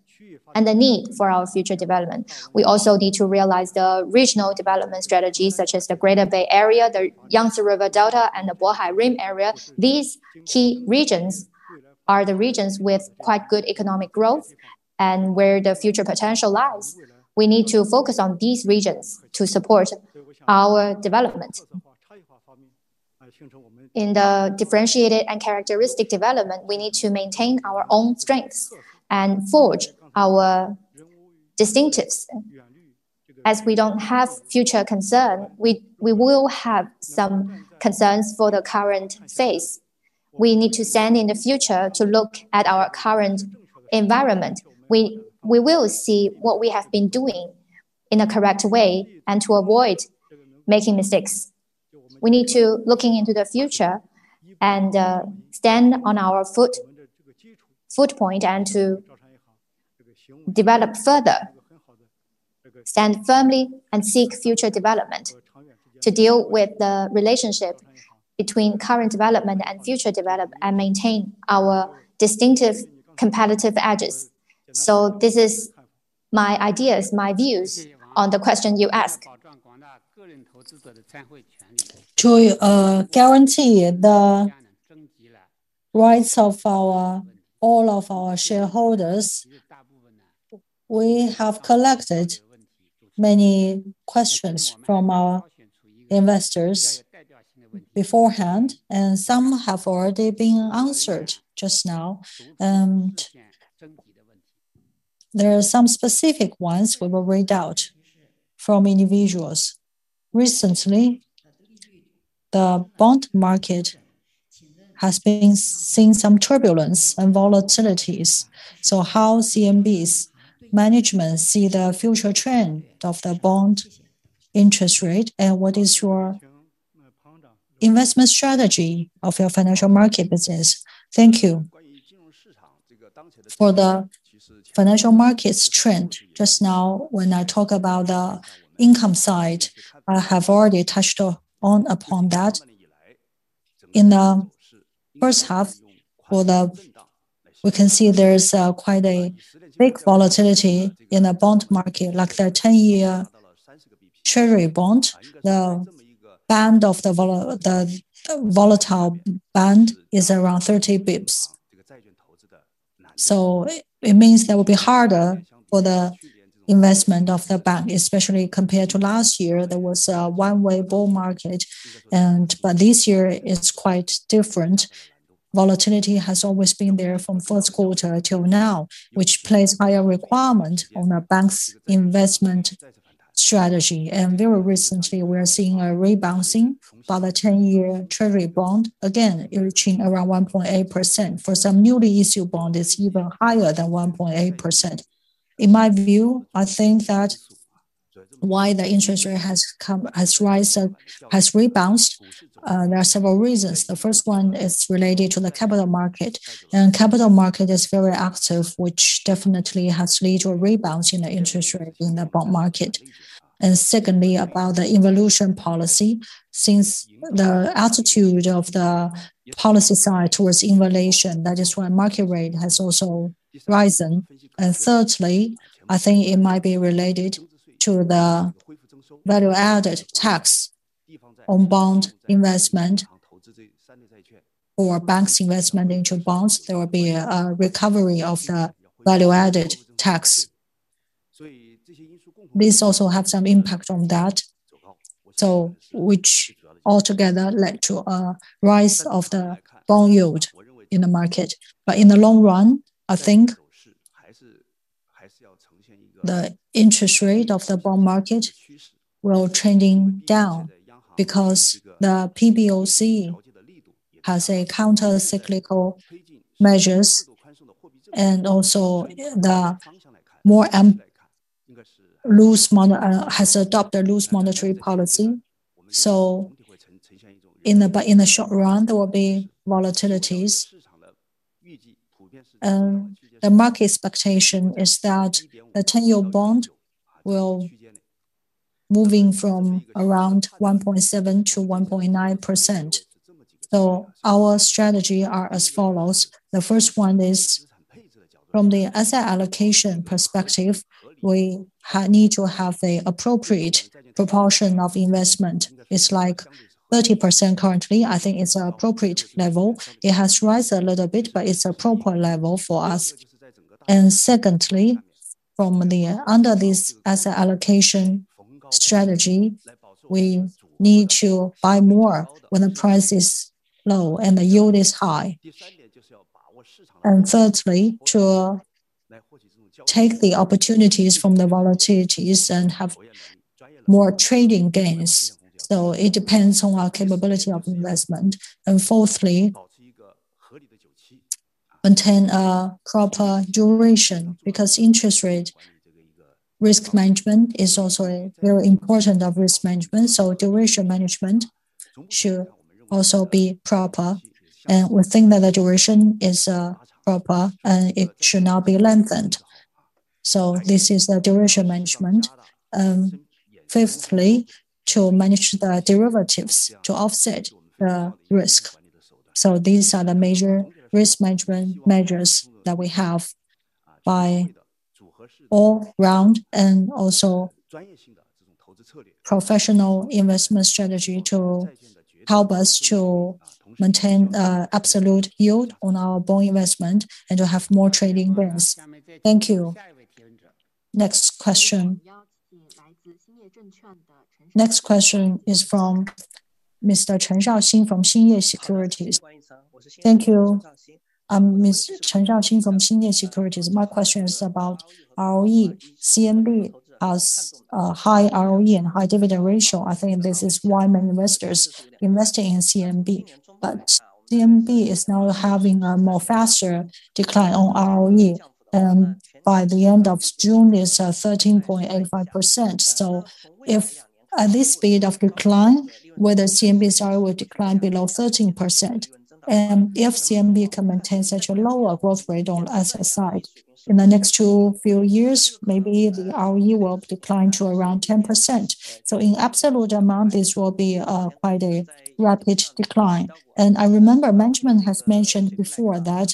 and the need for our future development. We also need to realize the regional development strategies, such as the Greater Bay Area, the Yangtze River Delta, and the Bohai Rim area. These key regions are the regions with quite good economic growth and where the future potential lies. We need to focus on these regions to support our development. In the differentiated and characteristic development, we need to maintain our own strengths and forge our distinctives. As we don't have future concerns, we will have some concerns for the current phase. We need to stand in the future to look at our current environment. We will see what we have been doing in a correct way and to avoid making mistakes. We need to look into the future and stand on our foothold and to develop further, stand firmly, and seek future development to deal with the relationship between current development and future development and maintain our distinctive competitive edges, so this is my ideas, my views on the question you ask. To guarantee the rights of all of our shareholders, we have collected many questions from our investors beforehand, and some have already been answered just now, and there are some specific ones we will read out from individuals. Recently, the bond market has been seeing some turbulence and volatilities. So how does CMB's management see the future trend of the bond interest rate, and what is your investment strategy of your financial market business? Thank you. For the financial markets trend, just now when I talk about the income side, I have already touched upon that. In the first half, we can see there's quite a big volatility in the bond market, like the 10-year Treasury bond. The band of the volatile band is around 30 basis points. So it means there will be harder for the investment of the bank, especially compared to last year. There was a one-way bull market, but this year is quite different. Volatility has always been there from first quarter till now, which plays a higher requirement on the bank's investment strategy. And very recently, we are seeing a rebound in the 10-year Treasury bond, again reaching around 1.8%. For some newly issued bonds, it's even higher than 1.8%. In my view, I think that why the interest rate has risen, has rebounded, there are several reasons. The first one is related to the capital market, and the capital market is very active, which definitely has led to a rebound in the interest rate in the bond market. And secondly, about the anti-involution policy, since the attitude of the policy side towards inflation, that is why market rate has also risen. And thirdly, I think it might be related to the value-added tax on bond investment or banks' investment into bonds. There will be a recovery of the value-added tax. This also has some impact on that, which altogether led to a rise of the bond yield in the market. But in the long run, I think the interest rate of the bond market will trend down because the PBOC has countercyclical measures, and also the more loose has adopted a loose monetary policy. So in the short run, there will be volatilities, and the market expectation is that the 10-year bond will move from around 1.7%-1.9%. So our strategies are as follows. The first one is from the asset allocation perspective, we need to have an appropriate proportion of investment. It's like 30% currently. I think it's an appropriate level. It has risen a little bit, but it's an appropriate level for us. And secondly, under this asset allocation strategy, we need to buy more when the price is low and the yield is high. And thirdly, to take the opportunities from the volatilities and have more trading gains. So it depends on our capability of investment. And fourthly, maintain a proper duration because interest rate risk management is also very important for risk management. Duration management should also be proper, and we think that the duration is proper, and it should not be lengthened. This is the duration management. Fifthly, to manage the derivatives to offset the risk. These are the major risk management measures that we have by all round and also professional investment strategy to help us to maintain absolute yield on our bond investment and to have more trading gains. Thank you. Next question. Next question is from Mr. Chen Shaoxing from Xinye Securities. Thank you. I'm Mr. Chen Shaoxing from Industrial Securities. My question is about ROE. CMB has a high ROE and high dividend ratio. I think this is why many investors invest in CMB. But CMB is now having a more faster decline on ROE. By the end of June, it's 13.85%. At this speed of decline, whether CMB's ROE will decline below 13%. If CMB can maintain such a lower growth rate on the asset side in the next few years, maybe the ROE will decline to around 10%. In absolute amount, this will be quite a rapid decline. I remember management has mentioned before that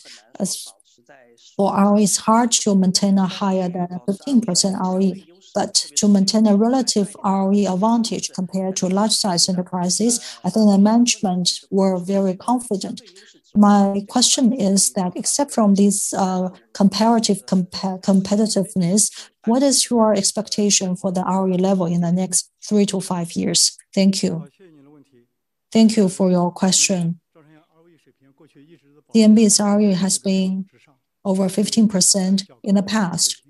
for ROE, it's hard to maintain a higher than 15% ROE, but to maintain a relative ROE advantage compared to large-sized enterprises, I think the management were very confident. My question is that except from this comparative competitiveness, what is your expectation for the ROE level in the next three to five years? Thank you. Thank you for your question. CMB's ROE has been over 15% in the past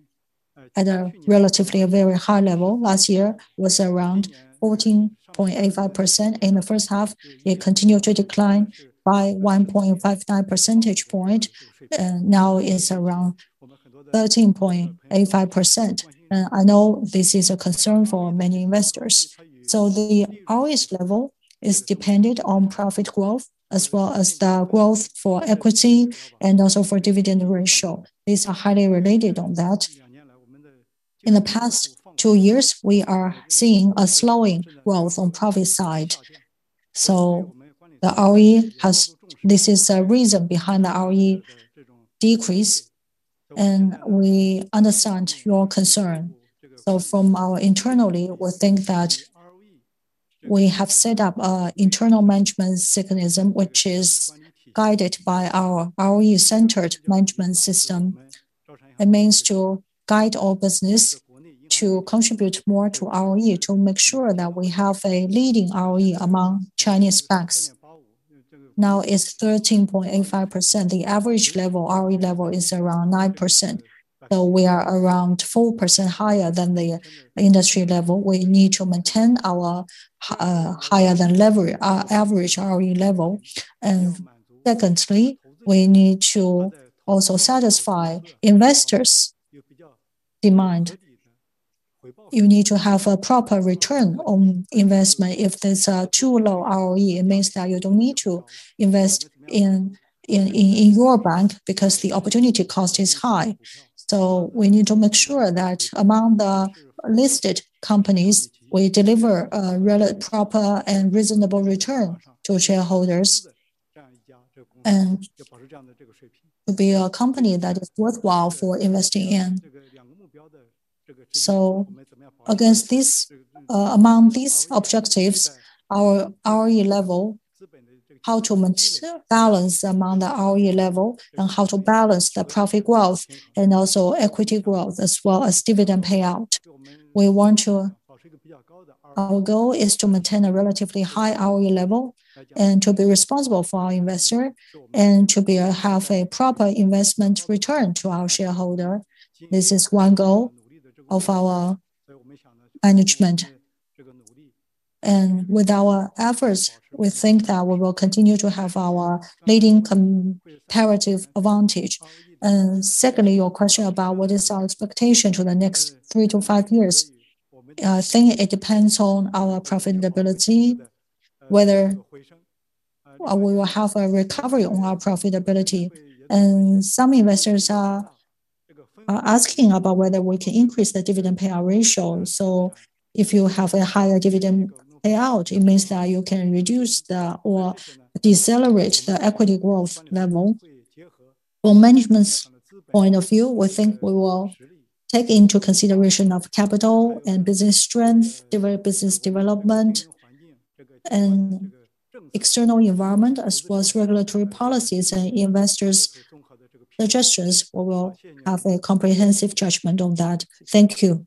at a relatively very high level. Last year, it was around 14.85%. In the first half, it continued to decline by 1.59 percentage points. Now it's around 13.85%. I know this is a concern for many investors. So the ROE level is dependent on profit growth as well as the growth for equity and also for dividend ratio. These are highly related on that. In the past two years, we are seeing a slowing growth on the profit side. So the ROE has. This is the reason behind the ROE decrease, and we understand your concern. So from our internally, we think that we have set up an internal management mechanism, which is guided by our ROE-centered management system. It means to guide our business to contribute more to ROE, to make sure that we have a leading ROE among Chinese banks. Now it's 13.85%. The average level ROE level is around 9%. So we are around 4% higher than the industry level. We need to maintain our higher than average ROE level. Secondly, we need to also satisfy investors' demand. You need to have a proper return on investment. If there's a too low ROE, it means that you don't need to invest in your bank because the opportunity cost is high. We need to make sure that among the listed companies, we deliver a proper and reasonable return to shareholders and to be a company that is worthwhile for investing in. Against this, among these objectives, our ROE level, how to balance among the ROE level and how to balance the profit growth and also equity growth as well as dividend payout. We want to. Our goal is to maintain a relatively high ROE level and to be responsible for our investor and to have a proper investment return to our shareholder. This is one goal of our management. With our efforts, we think that we will continue to have our leading comparative advantage. Secondly, your question about what is our expectation for the next three to five years, I think it depends on our profitability, whether we will have a recovery on our profitability. Some investors are asking about whether we can increase the dividend payout ratio. So if you have a higher dividend payout, it means that you can reduce or decelerate the equity growth level. From management's point of view, we think we will take into consideration capital and business strength, business development, and external environment, as well as regulatory policies and investors' suggestions. We will have a comprehensive judgment on that. Thank you.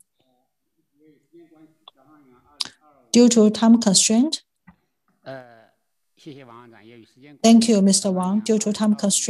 Due to time constraint. Thank you, Mr. Wang. Due to time constraint.